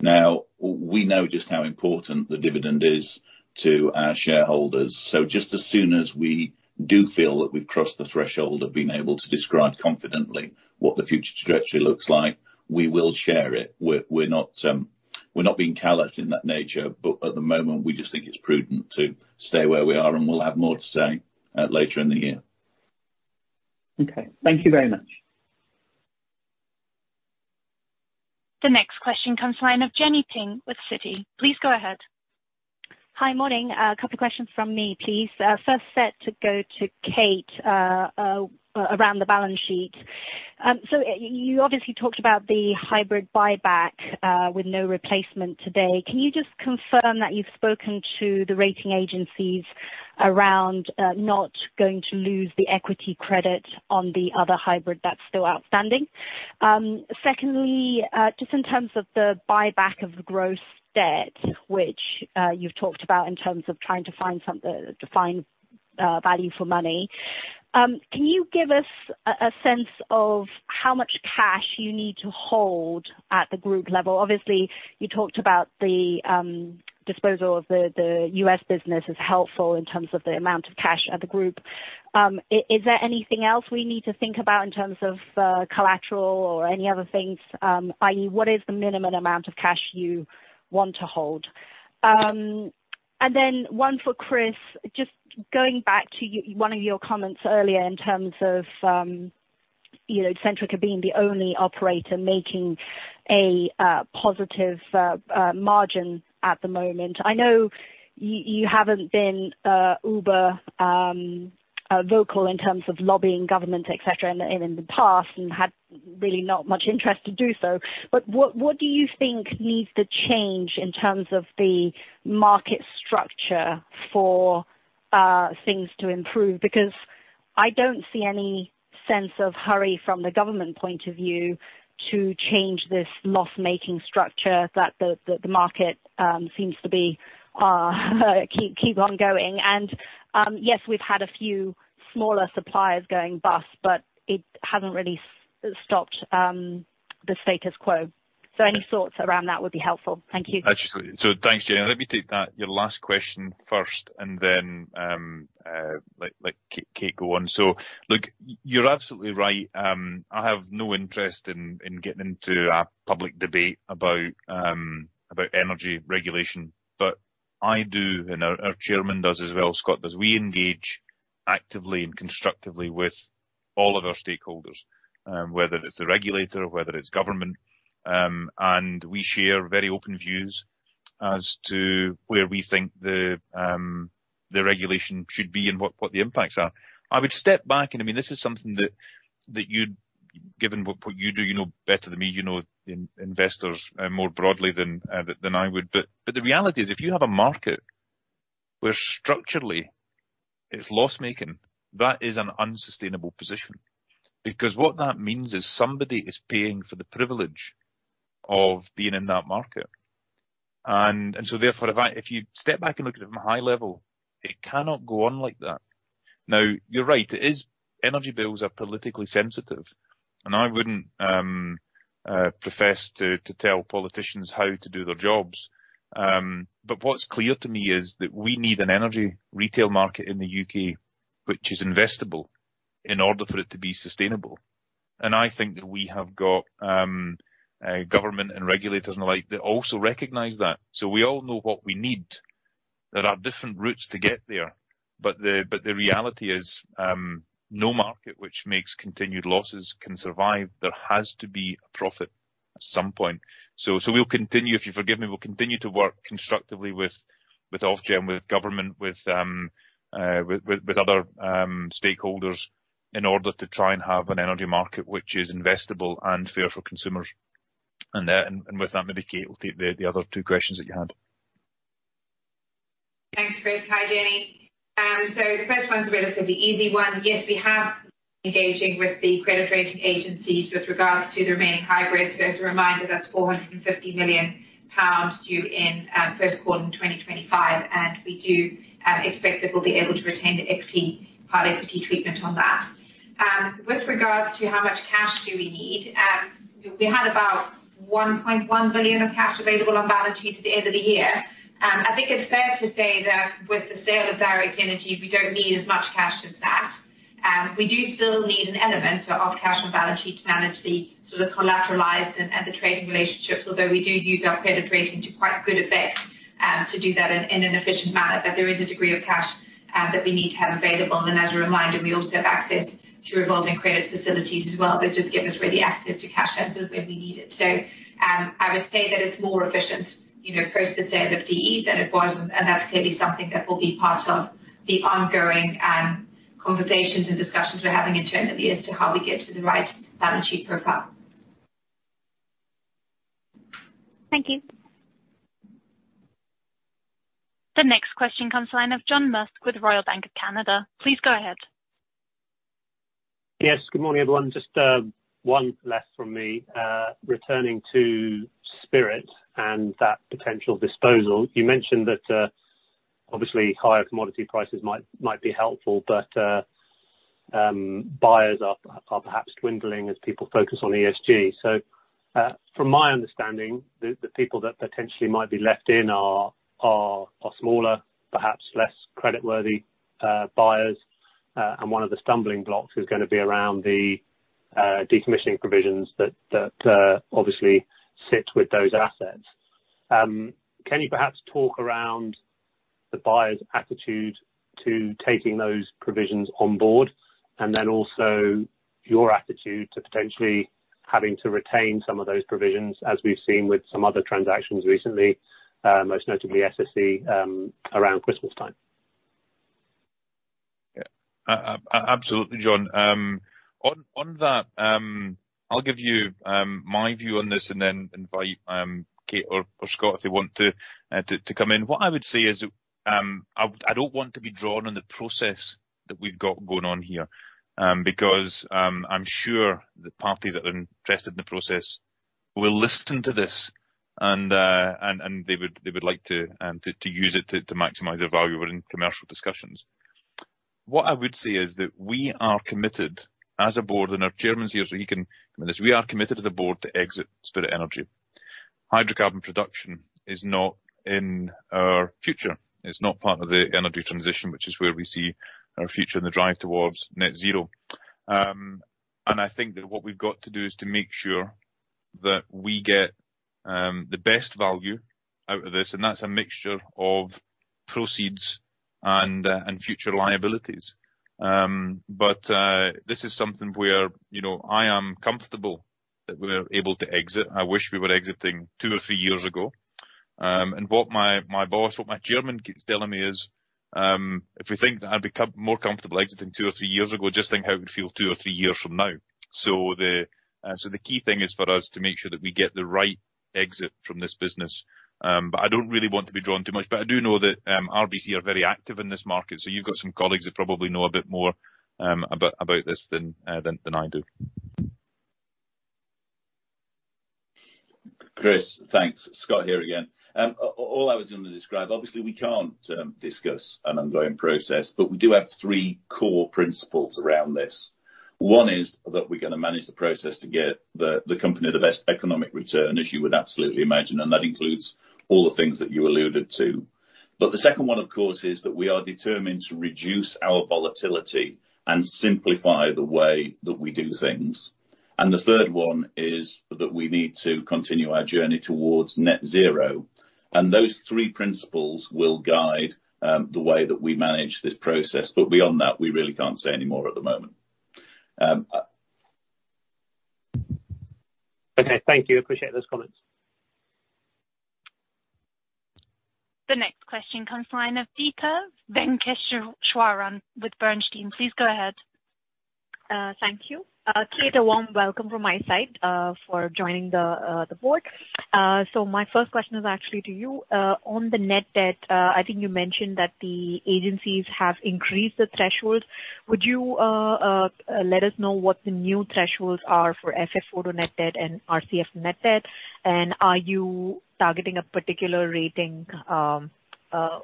Now, we know just how important the dividend is to our shareholders. Just as soon as we do feel that we've crossed the threshold of being able to describe confidently what the future trajectory looks like, we will share it. We're not being callous in that nature, but at the moment, we just think it's prudent to stay where we are, and we'll have more to say later in the year. Okay. Thank you very much. The next question comes line of Jenny Ping with Citi. Please go ahead. Hi. Morning. A couple of questions from me, please. First set to go to Kate around the balance sheet. You obviously talked about the hybrid buyback with no replacement today. Can you just confirm that you've spoken to the rating agencies around not going to lose the equity credit on the other hybrid that's still outstanding? Secondly, just in terms of the buyback of the gross debt, which you've talked about in terms of trying to find value for money, can you give us a sense of how much cash you need to hold at the group level? Obviously, you talked about the disposal of the U.S. business as helpful in terms of the amount of cash at the group. Is there anything else we need to think about in terms of collateral or any other things? i.e. what is the minimum amount of cash you want to hold? Then one for Chris, just going back to one of your comments earlier in terms of Centrica being the only operator making a positive margin at the moment. I know you haven't been uber vocal in terms of lobbying government, et cetera, in the past and had really not much interest to do so. What do you think needs to change in terms of the market structure for things to improve? I don't see any sense of hurry from the government point of view to change this loss-making structure that the market seems to be keep on going. Yes, we've had a few smaller suppliers going bust, but it hasn't really stopped the status quo. Any thoughts around that would be helpful. Thank you. Absolutely. Thanks, Jenny. Let me take your last question first and then let Kate go on. Look, you're absolutely right. I have no interest in getting into a public debate about energy regulation. I do, and our chairman does as well, Scott does, we engage actively and constructively with all of our stakeholders, whether it's the regulator, whether it's government, and we share very open views as to where we think the regulation should be and what the impacts are. I would step back, and this is something that you'd, given what you do, you know better than me, you know investors more broadly than I would. The reality is, if you have a market where structurally it's loss-making, that is an unsustainable position. Because what that means is somebody is paying for the privilege of being in that market. Therefore, if you step back and look at it from a high level, it cannot go on like that. You're right. Energy bills are politically sensitive, and I wouldn't profess to tell politicians how to do their jobs. What's clear to me is that we need an energy retail market in the U.K. which is investable in order for it to be sustainable. I think that we have got government and regulators and the like that also recognize that. We all know what we need. There are different routes to get there, but the reality is, no market which makes continued losses can survive. There has to be a profit at some point. We'll continue, if you forgive me, we'll continue to work constructively with Ofgem, with government, with other stakeholders in order to try and have an energy market which is investable and fair for consumers. With that, maybe Kate will take the other two questions that you had. Thanks, Chris. Hi, Jenny. The first one is a relatively easy one. Yes, we have been engaging with the credit rating agencies with regards to the remaining hybrids. As a reminder, that's 450 million pounds due in first quarter in 2025, and we do expect that we'll be able to retain the part equity treatment on that. With regards to how much cash do we need, we had about 1.1 billion of cash available on balance sheet at the end of the year. I think it's fair to say that with the sale of Direct Energy, we don't need as much cash as that. We do still need an element of cash on balance sheet to manage the sort of collateralized and the trading relationships, although we do use our credit rating to quite good effect to do that in an efficient manner. There is a degree of cash that we need to have available. As a reminder, we also have access to revolving credit facilities as well, that just give us ready access to cash as and when we need it. I would say that it's more efficient, post the sale of DE than it was, and that's clearly something that will be part of the ongoing conversations and discussions we're having internally as to how we get to the right balance sheet profile. Thank you. The next question comes to the line of John Musk with Royal Bank of Canada. Please go ahead. Yes, good morning, everyone. Just one last from me. Returning to Spirit and that potential disposal, you mentioned that obviously higher commodity prices might be helpful, but buyers are perhaps dwindling as people focus on ESG. From my understanding, the people that potentially might be left in are smaller, perhaps less creditworthy buyers. One of the stumbling blocks is going to be around the decommissioning provisions that obviously sit with those assets. Can you perhaps talk around the buyer's attitude to taking those provisions on board? Also, your attitude to potentially having to retain some of those provisions, as we've seen with some other transactions recently, most notably SSE around Christmas time. Absolutely, John. On that, I'll give you my view on this and then invite Kate or Scott, if they want to come in. What I would say is, I don't want to be drawn on the process that we've got going on here, because I'm sure the parties that are interested in the process will listen to this, and they would like to use it to maximize their value within commercial discussions. What I would say is that we are committed as a board, and our chairman's here, so he can comment this. We are committed as a board to exit Spirit Energy. Hydrocarbon production is not in our future. It's not part of the energy transition, which is where we see our future and the drive towards net zero. I think that what we've got to do is to make sure that we get the best value out of this, and that's a mixture of proceeds and future liabilities. This is something where I am comfortable that we're able to exit. I wish we were exiting two or three years ago. What my boss, what my chairman keeps telling me is, if we think that I'd be more comfortable exiting two or three years ago, just think how it would feel two or three years from now. The key thing is for us to make sure that we get the right exit from this business. I don't really want to be drawn too much, but I do know that RBC are very active in this market. You've got some colleagues that probably know a bit more about this than I do. Chris, thanks. Scott here again. All I was going to describe, obviously we can't discuss an ongoing process, but we do have three core principles around this. One is that we're going to manage the process to get the company the best economic return, as you would absolutely imagine, and that includes all the things that you alluded to. The second one, of course, is that we are determined to reduce our volatility and simplify the way that we do things. The third one is that we need to continue our journey towards net zero. Those three principles will guide the way that we manage this process. Beyond that, we really can't say any more at the moment. Okay. Thank you. Appreciate those comments. The next question comes to the line of Deepa Venkateswaran with Bernstein. Please go ahead. Thank you. Kate, a warm welcome from my side for joining the board. My first question is actually to you. On the net debt, I think you mentioned that the agencies have increased the thresholds. Would you let us know what the new thresholds are for FFO to net debt and RCF to net debt? Are you targeting a particular rating,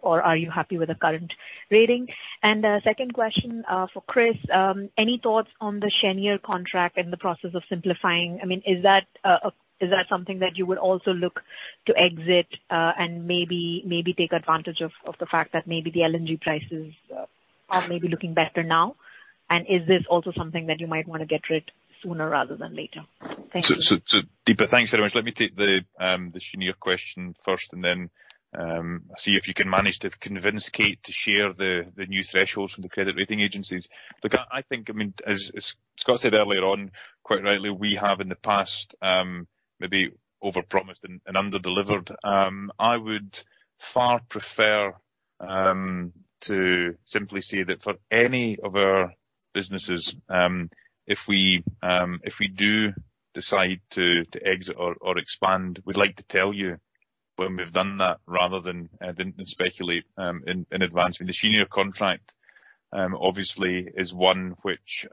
or are you happy with the current rating? Second question for Chris, any thoughts on the Cheniere contract and the process of simplifying? Is that something that you would also look to exit and maybe take advantage of the fact that maybe the LNG prices are maybe looking better now? Is this also something that you might want to get rid sooner rather than later? Deepa, thanks very much. Let me take the question first, then see if you can manage to convince Kate to share the new thresholds from the credit rating agencies. I think, as Scott said earlier on, quite rightly, we have in the past maybe overpromised and under-delivered. I would far prefer to simply say that for any of our businesses, if we do decide to exit or expand, we'd like to tell you when we've done that rather than speculate in advance. The Cheniere contract obviously is one which,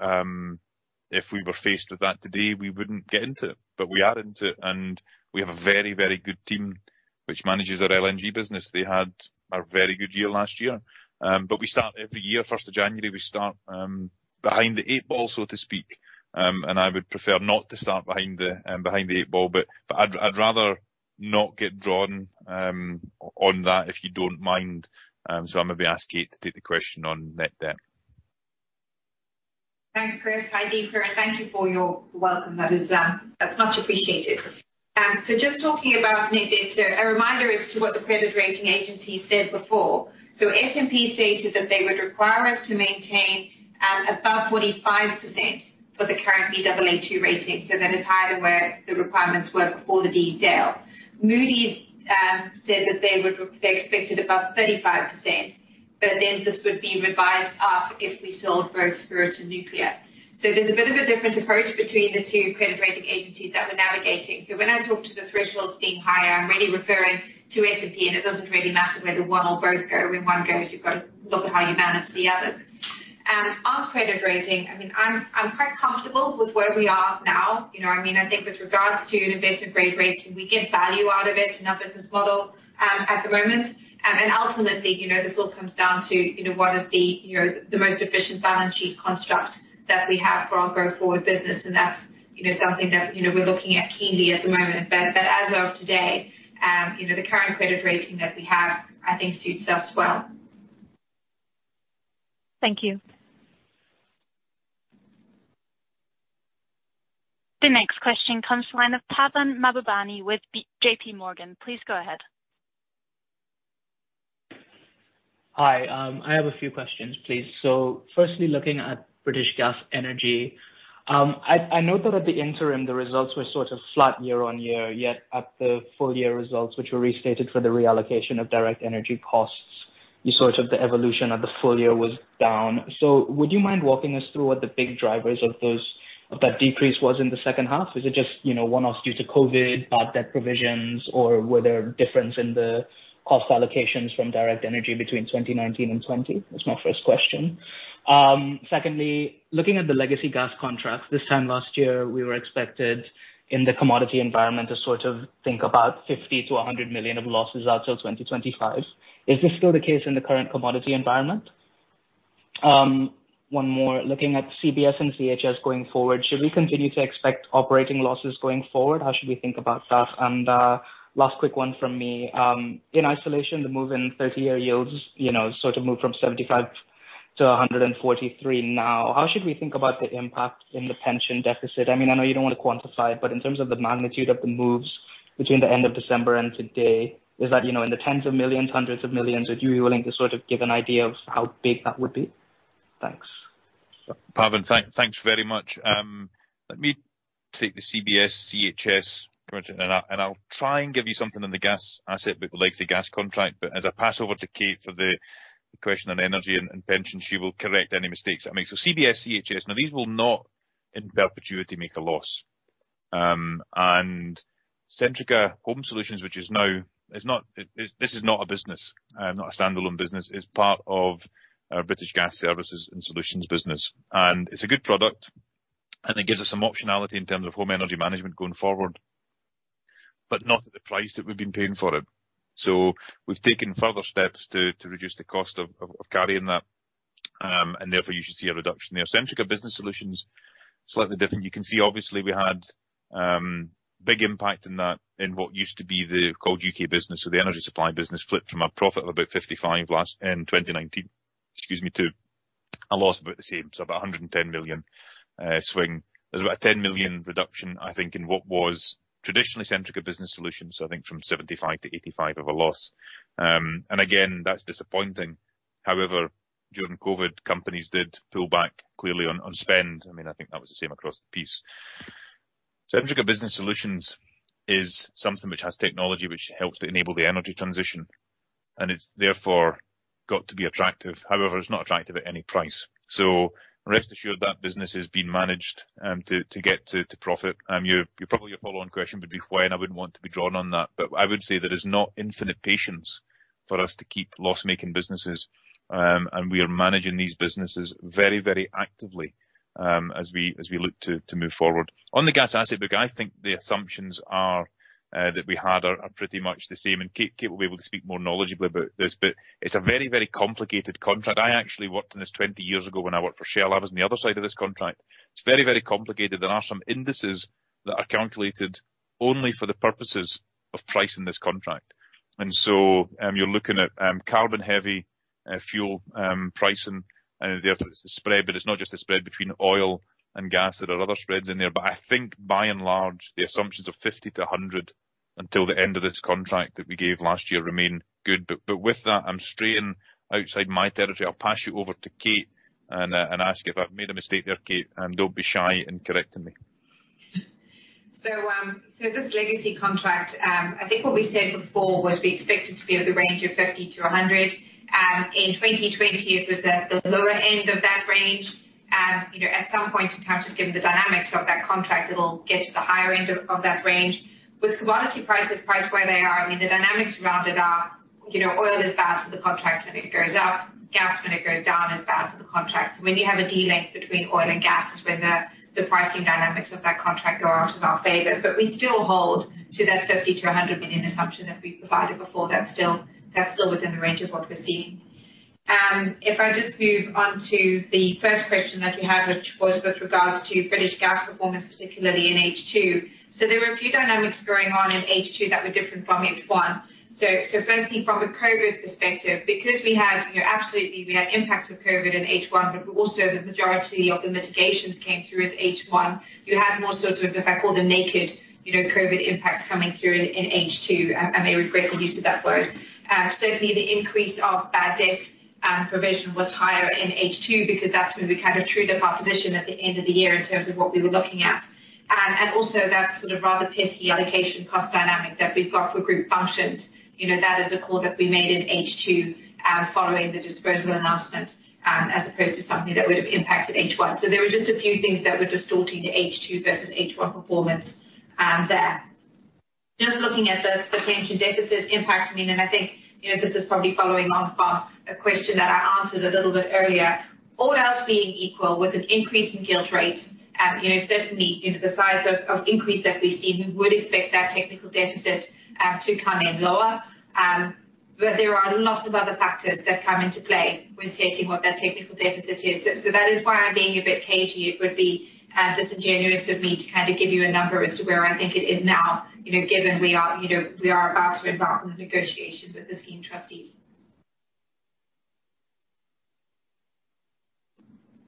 if we were faced with that today, we wouldn't get into, we are into it. We have a very good team which manages our LNG business. They had a very good year last year. We start every year, 1st of January, we start behind the eight ball, so to speak. I would prefer not to start behind the eight ball. I'd rather not get drawn on that, if you don't mind. I'm going to ask Kate to take the question on net debt. Thanks, Chris. Hi, Deepa, and thank you for your welcome. That's much appreciated. Just talking about net debt. A reminder as to what the credit rating agency said before. S&P stated that they would require us to maintain above 45% for the current Baa2 rating. That is higher where the requirements were before the detail. Moody's said that they expected above 35%, this would be revised up if we sold both Spirit and Nuclear. There's a bit of a different approach between the two credit rating agencies that we're navigating. When I talk to the thresholds being higher, I'm really referring to S&P, and it doesn't really matter whether one or both go. When one goes, you've got to look at how you manage the others. Our credit rating, I'm quite comfortable with where we are now. I think with regards to an investment-grade rating, we get value out of it in our business model at the moment. Ultimately, this all comes down to what is the most efficient balance sheet construct that we have for our growth-forward business, and that's something that we're looking at keenly at the moment. As of today, the current credit rating that we have, I think suits us well. Thank you. The next question comes from the line of Pawan Mahbubani with JPMorgan. Please go ahead. Hi. I have a few questions, please. Firstly, looking at British Gas Energy. I note that at the interim, the results were sort of flat year-on-year, yet at the full year results, which were restated for the reallocation of direct energy costs, the evolution of the full year was down. Would you mind walking us through what the big drivers of that decrease was in the second half? Is it just one-offs due to COVID, bad debt provisions, or were there difference in the cost allocations from direct energy between 2019 and 2020? That's my first question. Secondly, looking at the legacy gas contract, this time last year, we were expected in the commodity environment to sort of think about 50 million-100 million of losses out till 2025. Is this still the case in the current commodity environment? One more. Looking at CBS and CHS going forward, should we continue to expect operating losses going forward? How should we think about that? Last quick one from me. In isolation, the move in 30-year yields, sort of moved from 75 to 143 now. How should we think about the impact in the pension deficit? I know you don't want to quantify it, but in terms of the magnitude of the moves between the end of December and today, is that in the tens of millions, hundreds of millions? Would you be willing to give an idea of how big that would be? Thanks. Pawan, thanks very much. Let me take the CBS, CHS question, and I'll try and give you something on the gas asset with the legacy gas contract. As I pass over to Kate for the question on energy and pension, she will correct any mistakes I make. CBS, CHS. Now, these will not in perpetuity make a loss. Centrica Home Solutions, this is not a standalone business. It's part of our British Gas Services and Solutions business. It's a good product, and it gives us some optionality in terms of home energy management going forward, but not at the price that we've been paying for it. We've taken further steps to reduce the cost of carrying that, and therefore, you should see a reduction there. Centrica Business Solutions, slightly different. You can see obviously we had big impact in what used to be called UK business. The energy supply business flipped from a profit of about 55 in 2019 to a loss of about the same. About 110 million swing. There's about a 10 million reduction, I think, in what was traditionally Centrica Business Solutions, so I think from 75 to 85 of a loss. Again, that's disappointing. However, during COVID, companies did pull back clearly on spend. I think that was the same across the piece. Centrica Business Solutions is something which has technology which helps to enable the energy transition, and it's therefore got to be attractive. However, it's not attractive at any price. Rest assured that business is being managed to get to profit. Probably your follow-on question would be when. I wouldn't want to be drawn on that. I would say there is not infinite patience for us to keep loss-making businesses, and we are managing these businesses very actively as we look to move forward. On the gas asset book, I think the assumptions that we had are pretty much the same, and Kate will be able to speak more knowledgeable about this. It's a very complicated contract. I actually worked on this 20 years ago when I worked for Shell. I was on the other side of this contract. It's very complicated. There are some indices that are calculated only for the purposes of pricing this contract. You're looking at carbon heavy fuel pricing and therefore it's the spread, but it's not just the spread between oil and gas. There are other spreads in there. I think by and large, the assumptions of 50 to 100 until the end of this contract that we gave last year remain good. With that, I'm straying outside my territory. I'll pass you over to Kate and ask if I've made a mistake there, Kate, and don't be shy in correcting me. This legacy contract, I think what we said before was we expect it to be over the range of 50-100. In 2020, it was at the lower end of that range. At some point in time, just given the dynamics of that contract, it'll get to the higher end of that range. With commodity prices priced where they are, the dynamics rounded up, oil is bad for the contract when it goes up. Gas, when it goes down, is bad for the contract. When you have a delink between oil and gas is when the pricing dynamics of that contract go out of our favor. We still hold to that 50 million-100 million assumption that we provided before. That's still within the range of what we're seeing. If I just move on to the first question that you had, which was with regards to British Gas performance, particularly in H2. There were a few dynamics going on in H2 that were different from H1. Firstly, from a COVID perspective, because we had absolutely, we had impacts of COVID in H1, but also the majority of the mitigations came through as H1. You had more sort of if I call them naked COVID impacts coming through in H2. I may regret the use of that word. Certainly, the increase of bad debt provision was higher in H2 because that's when we kind of trued up our position at the end of the year in terms of what we were looking at. Also, that sort of rather pesky allocation cost dynamic that we've got for group functions, that is a call that we made in H2 following the disposal announcement, as opposed to something that would have impacted H1. There were just a few things that were distorting the H2 versus H1 performance there. Just looking at the pension deficit impact, and I think this is probably following on from a question that I answered a little bit earlier. All else being equal, with an increase in gilt rates, certainly the size of increase that we've seen, we would expect that technical deficit to come in lower. There are a lot of other factors that come into play when stating what that technical deficit is. That is why I'm being a bit cagey. It would be disingenuous of me to kind of give you a number as to where I think it is now, given we are about to embark on the negotiation with the scheme trustees.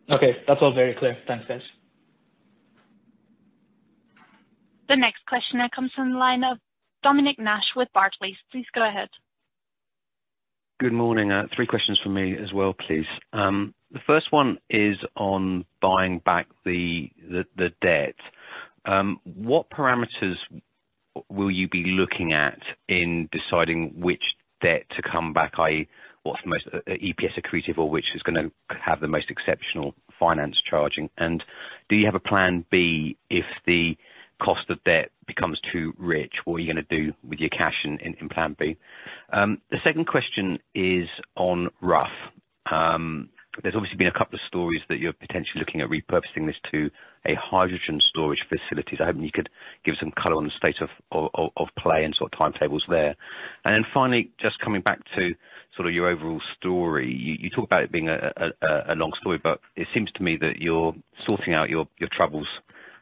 Okay. That's all very clear. Thanks, guys. The next question now comes from the line of Dominic Nash with Barclays. Please go ahead. Good morning. Three questions from me as well, please. The first one is on buying back the debt. What parameters will you be looking at in deciding which debt to come back, i.e. what's the most EPS accretive or which is going to have the most exceptional finance charging? Do you have a plan B if the cost of debt becomes too rich? What are you going to do with your cash in plan B? The second question is on Rough. There's obviously been a couple of stories that you're potentially looking at repurposing this to a hydrogen storage facility. I hope you could give some color on the state of play and sort of timetables there. Finally, just coming back to sort of your overall story. You talk about it being a long story. It seems to me that you're sorting out your troubles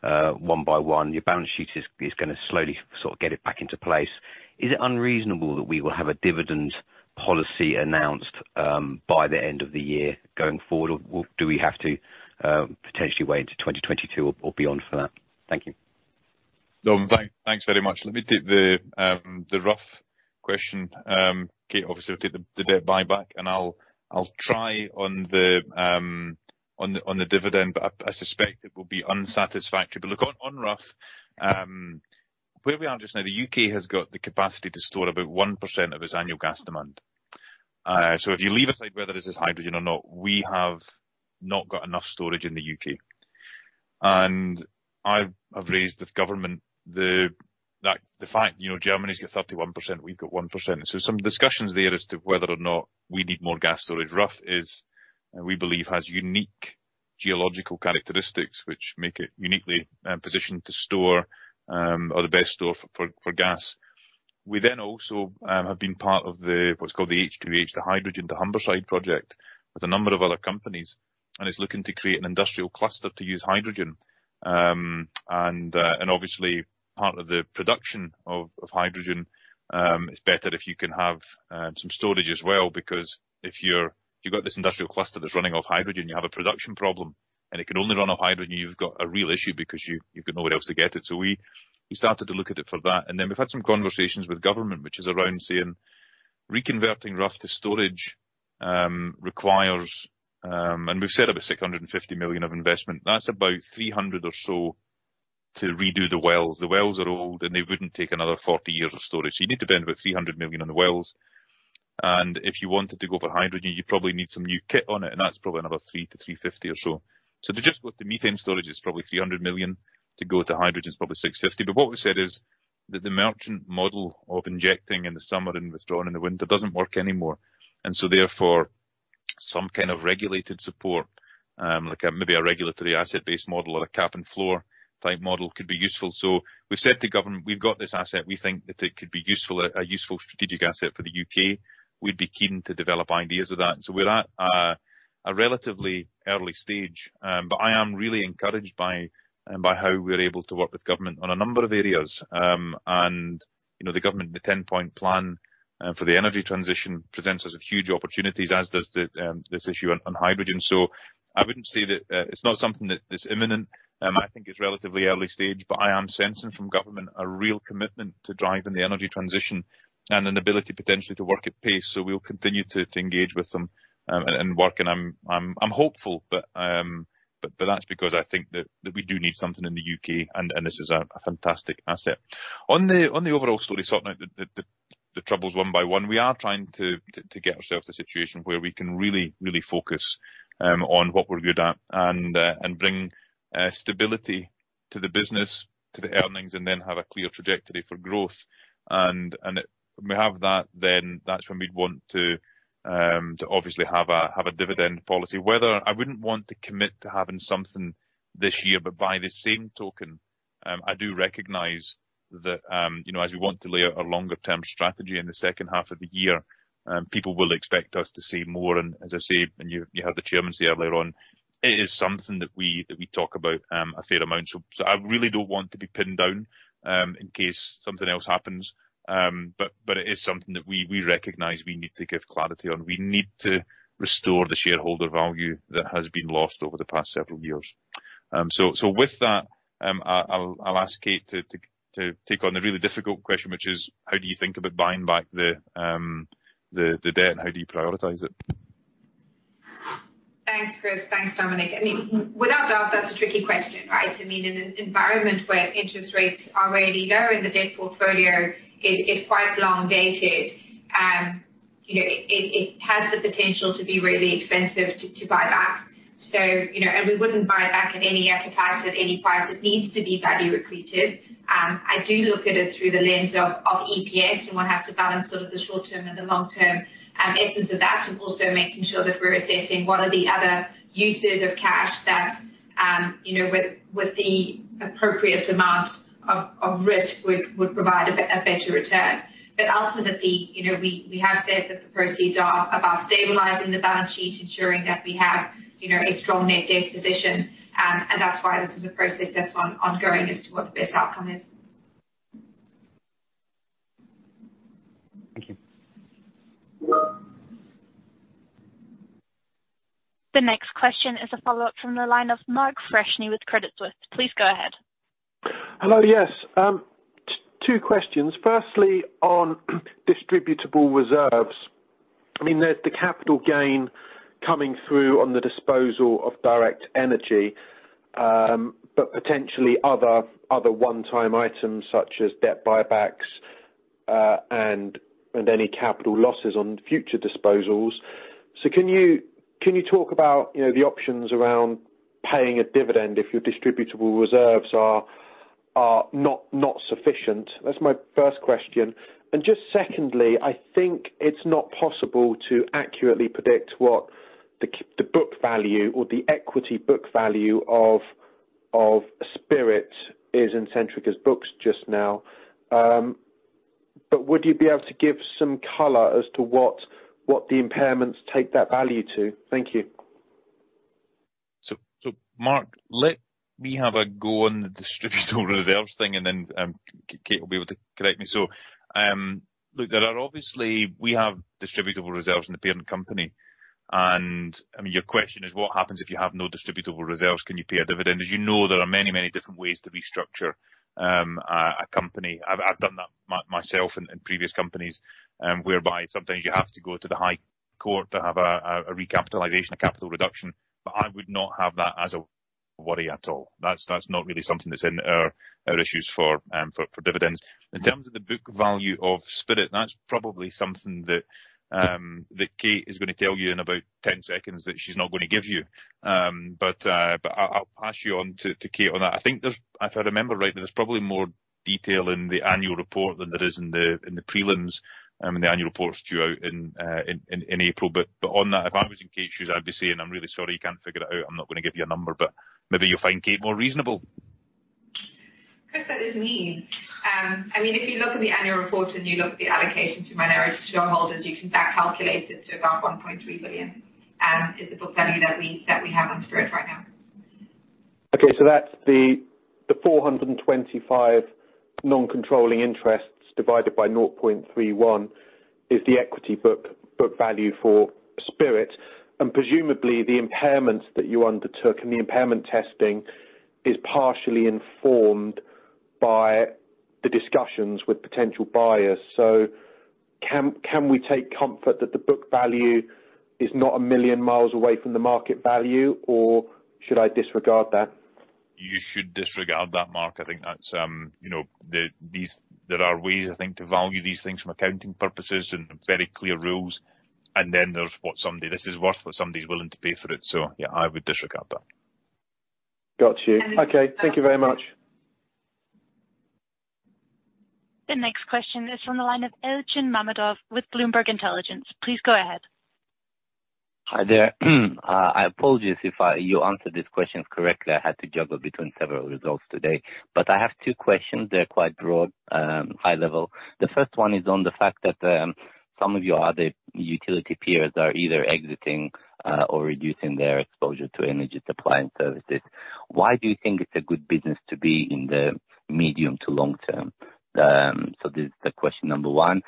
one by one. Your balance sheet is going to slowly sort of get it back into place. Is it unreasonable that we will have a dividend policy announced by the end of the year going forward? Do we have to potentially wait into 2022 or beyond for that? Thank you. Dom, thanks very much. Let me take the rough question. Kate obviously will take the debt buyback, and I'll try on the dividend, but I suspect it will be unsatisfactory. Look, on Rough, where we are just now, the U.K. has got the capacity to store about 1% of its annual gas demand. If you leave aside whether this is hydrogen or not, we have not got enough storage in the U.K. I have raised with government the fact Germany's got 31%, we've got 1%. Some discussions there as to whether or not we need more gas storage. Rough, we believe has unique geological characteristics which make it uniquely positioned to store, or the best store for gas. We then also have been part of what's called the H2H, the Hydrogen to Humberside project, with a number of other companies, and is looking to create an industrial cluster to use hydrogen. Obviously part of the production of hydrogen, it's better if you can have some storage as well because if you've got this industrial cluster that's running off hydrogen, you have a production problem, and it can only run off hydrogen, you've got a real issue because you've got nowhere else to get it. We started to look at it for that. We've had some conversations with government, which is around saying reconverting Rough to storage requires, and we've said about 650 million of investment. That's about 300 or so to redo the wells. The wells are old, and they wouldn't take another 40 years of storage. You need to spend about 300 million on the wells, and if you wanted to go for hydrogen, you probably need some new kit on it, and that's probably another 300-350 million or so. Just with the methane storage, it's probably 300 million. To go to hydrogen, it's probably 650 million. What we said is that the merchant model of injecting in the summer and withdrawing in the winter doesn't work anymore. Therefore, some kind of regulated support, like maybe a Regulated Asset Base model or a cap and floor type model could be useful. We said to government, we've got this asset. We think that it could be a useful strategic asset for the U.K. We'd be keen to develop ideas with that. We're at a relatively early stage. I am really encouraged by how we are able to work with government on a number of areas. The government, the Ten Point Plan for the energy transition presents us with huge opportunities, as does this issue on hydrogen. I wouldn't say that it's not something that's imminent. I think it's relatively early stage, but I am sensing from government a real commitment to driving the energy transition and an ability potentially to work at pace. We'll continue to engage with them, and work, and I'm hopeful, but that's because I think that we do need something in the U.K. and this is a fantastic asset. On the overall story, sorting out the troubles one by one, we are trying to get ourselves to a situation where we can really focus on what we're good at and bring stability to the business, to the earnings, and then have a clear trajectory for growth. When we have that, then that's when we'd want to obviously have a dividend policy. I wouldn't want to commit to having something this year, but by the same token, I do recognize that as we want to lay out our longer-term strategy in the second half of the year, people will expect us to say more. As I say, and you heard the chairman say earlier on, it is something that we talk about a fair amount. I really don't want to be pinned down, in case something else happens. It is something that we recognize we need to give clarity on. We need to restore the shareholder value that has been lost over the past several years. With that, I'll ask Kate to take on the really difficult question, which is how do you think about buying back the debt, and how do you prioritize it? Thanks, Chris. Thanks, Dominic. Without doubt, that's a tricky question, right? In an environment where interest rates are really low and the debt portfolio is quite long dated, it has the potential to be really expensive to buy back. We wouldn't buy back at any appetite, at any price. It needs to be value accretive. I do look at it through the lens of EPS, and one has to balance sort of the short term and the long term essence of that, and also making sure that we're assessing what are the other uses of cash that, with the appropriate amount of risk would provide a better return. Ultimately, we have said that the proceeds are about stabilizing the balance sheet, ensuring that we have a strong net debt position. That's why this is a process that's ongoing as to what the best outcome is. The next question is a follow-up from the line of Mark Freshney with Credit Suisse. Please go ahead. Hello. Yes. Two questions. Firstly, on distributable reserves, there's the capital gain coming through on the disposal of Direct Energy, but potentially other one-time items such as debt buybacks, and any capital losses on future disposals. Can you talk about the options around paying a dividend if your distributable reserves are not sufficient? That's my first question. Just secondly, I think it's not possible to accurately predict what the book value or the equity book value of Spirit is in Centrica's books just now. Would you be able to give some color as to what the impairments take that value to? Thank you. Mark, let me have a go on the distributable reserves thing and then Kate will be able to correct me. Look, obviously we have distributable reserves in the parent company, and your question is what happens if you have no distributable reserves, can you pay a dividend? As you know, there are many, many different ways to restructure a company. I've done that myself in previous companies, whereby sometimes you have to go to the high court to have a recapitalization, a capital reduction. I would not have that as a worry at all. That's not really something that's in our issues for dividends. In terms of the book value of Spirit, that's probably something that Kate is going to tell you in about 10 seconds that she's not going to give you. I'll pass you on to Kate on that. If I remember right, there's probably more detail in the annual report than there is in the prelims. The annual report's due out in April. On that, if I was in Kate's shoes, I'd be saying, "I'm really sorry, you can't figure it out. I'm not going to give you a number," but maybe you'll find Kate more reasonable. Chris, that is mean. If you look at the annual report and you look at the allocation to minority shareholders, you can back calculate it to about 1.3 billion, is the book value that we have on Spirit right now. That's the 425 non-controlling interests divided by 0.31 is the equity book value for Spirit. Presumably the impairment that you undertook, and the impairment testing is partially informed by the discussions with potential buyers. Can we take comfort that the book value is not a million miles away from the market value, or should I disregard that? You should disregard that, Mark. There are ways, I think, to value these things from accounting purposes and very clear rules. There's what somebody, this is worth what somebody's willing to pay for it. Yeah, I would disregard that. Got you. Okay. Thank you very much. The next question is from the line of Elchin Mammadov with Bloomberg Intelligence. Please go ahead. Hi there. I apologize if you answered these questions correctly. I had to juggle between several results today. I have two questions, they're quite broad, high level. The first one is on the fact that some of your other utility peers are either exiting or reducing their exposure to energy supply and services. Why do you think it's a good business to be in the medium to long term? This is the question number one.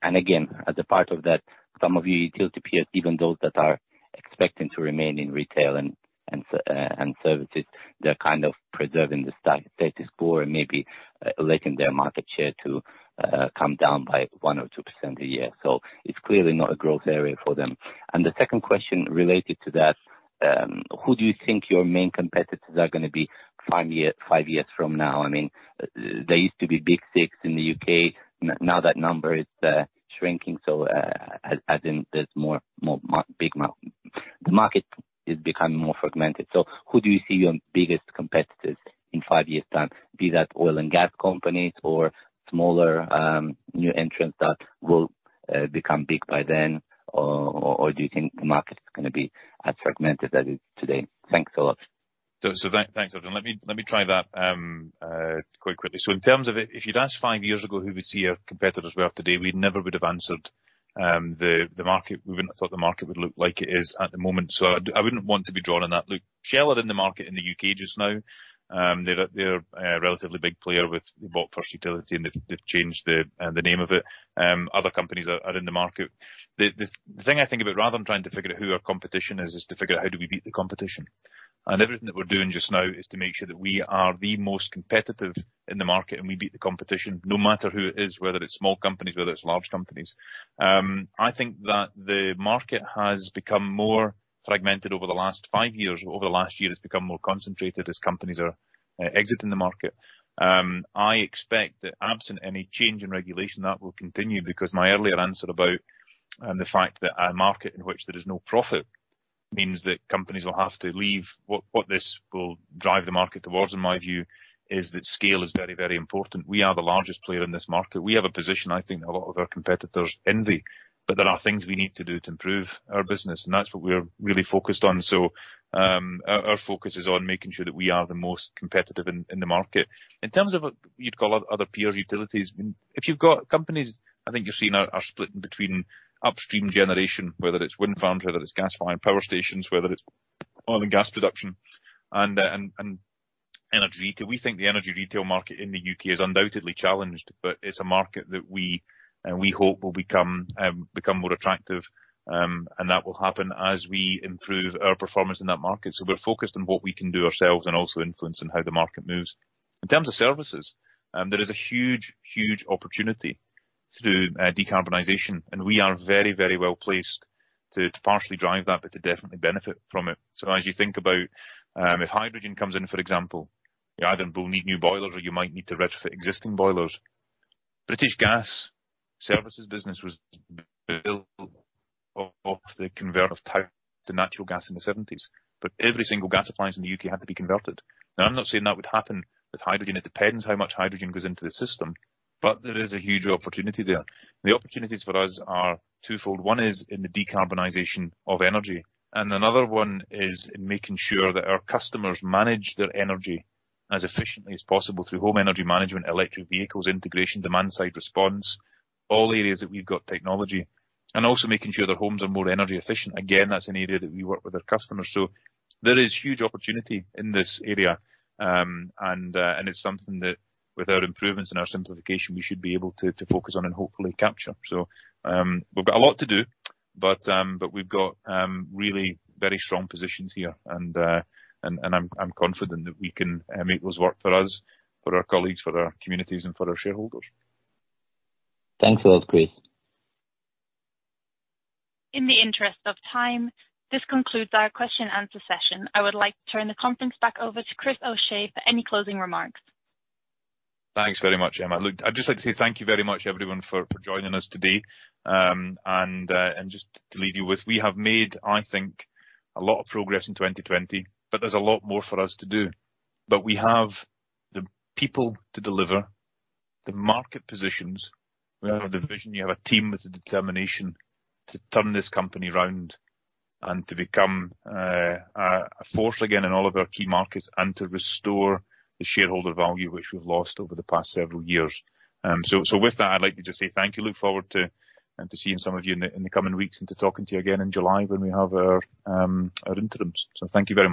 Again, as a part of that, some of your utility peers, even those that are expecting to remain in retail and services, they're preserving the status quo and maybe letting their market share to come down by 1% or 2% a year. It's clearly not a growth area for them. The second question related to that, who do you think your main competitors are going to be five years from now? There used to be Big Six in the U.K. Now that number is shrinking, as in the market is becoming more fragmented. Who do you see your biggest competitors in five years' time? Be that oil and gas companies or smaller, new entrants that will become big by then, or do you think the market is going to be as fragmented as it is today? Thanks a lot. Thanks, Arjun. Let me try that quite quickly. In terms of it, if you'd asked five years ago who we'd see our competitors were today, we never would have answered. We wouldn't have thought the market would look like it is at the moment. I wouldn't want to be drawn on that. Shell is in the market in the U.K. just now. They're a relatively big player with, they bought First Utility, and they've changed the name of it. Other companies are in the market. The thing I think about rather than trying to figure out who our competition is to figure out how do we beat the competition. Everything that we're doing just now is to make sure that we are the most competitive in the market, and we beat the competition no matter who it is, whether it's small companies, whether it's large companies. I think that the market has become more fragmented over the last five years. Over the last year, it's become more concentrated as companies are exiting the market. I expect that absent any change in regulation, that will continue because my earlier answer about the fact that a market in which there is no profit means that companies will have to leave. What this will drive the market towards, in my view, is that scale is very important. We are the largest player in this market. We have a position I think that a lot of our competitors envy, but there are things we need to do to improve our business, and that's what we're really focused on. Our focus is on making sure that we are the most competitive in the market. In terms of what you'd call other peer utilities, if you've got companies, I think you're seeing are split between upstream generation, whether it's wind farms, whether it's gas-fired power stations, whether it's oil and gas production, and energy retail. We think the energy retail market in the U.K. is undoubtedly challenged, but it's a market that we hope will become more attractive, and that will happen as we improve our performance in that market. We're focused on what we can do ourselves and also influencing how the market moves. In terms of services, there is a huge opportunity through decarbonization, and we are very well-placed to partially drive that, but to definitely benefit from it. As you think about if hydrogen comes in, for example, you either will need new boilers or you might need to retrofit existing boilers. British Gas Services business was built off the convert of to natural gas in the 1970s. Every single gas appliance in the U.K. had to be converted. Now, I'm not saying that would happen with hydrogen. It depends how much hydrogen goes into the system. There is a huge opportunity there. The opportunities for us are twofold. One is in the decarbonization of energy, and another one is in making sure that our customers manage their energy as efficiently as possible through home energy management, electric vehicles integration, demand side response, all areas that we've got technology. Also making sure their homes are more energy efficient. Again, that's an area that we work with our customers. There is huge opportunity in this area, and it's something that with our improvements and our simplification, we should be able to focus on and hopefully capture. We've got a lot to do, but we've got really very strong positions here, and I'm confident that we can make those work for us, for our colleagues, for our communities, and for our shareholders. Thanks a lot, Chris. In the interest of time, this concludes our question and answer session. I would like to turn the conference back over to Chris O'Shea for any closing remarks. Thanks very much, Emma. I'd just like to say thank you very much everyone for joining us today. Just to leave you with, we have made, I think, a lot of progress in 2020, but there's a lot more for us to do. We have the people to deliver, the market positions. We have a division. You have a team with the determination to turn this company around and to become a force again in all of our key markets and to restore the shareholder value which we've lost over the past several years. With that, I'd like to just say thank you. Look forward to seeing some of you in the coming weeks and to talking to you again in July when we have our interims. Thank you very much.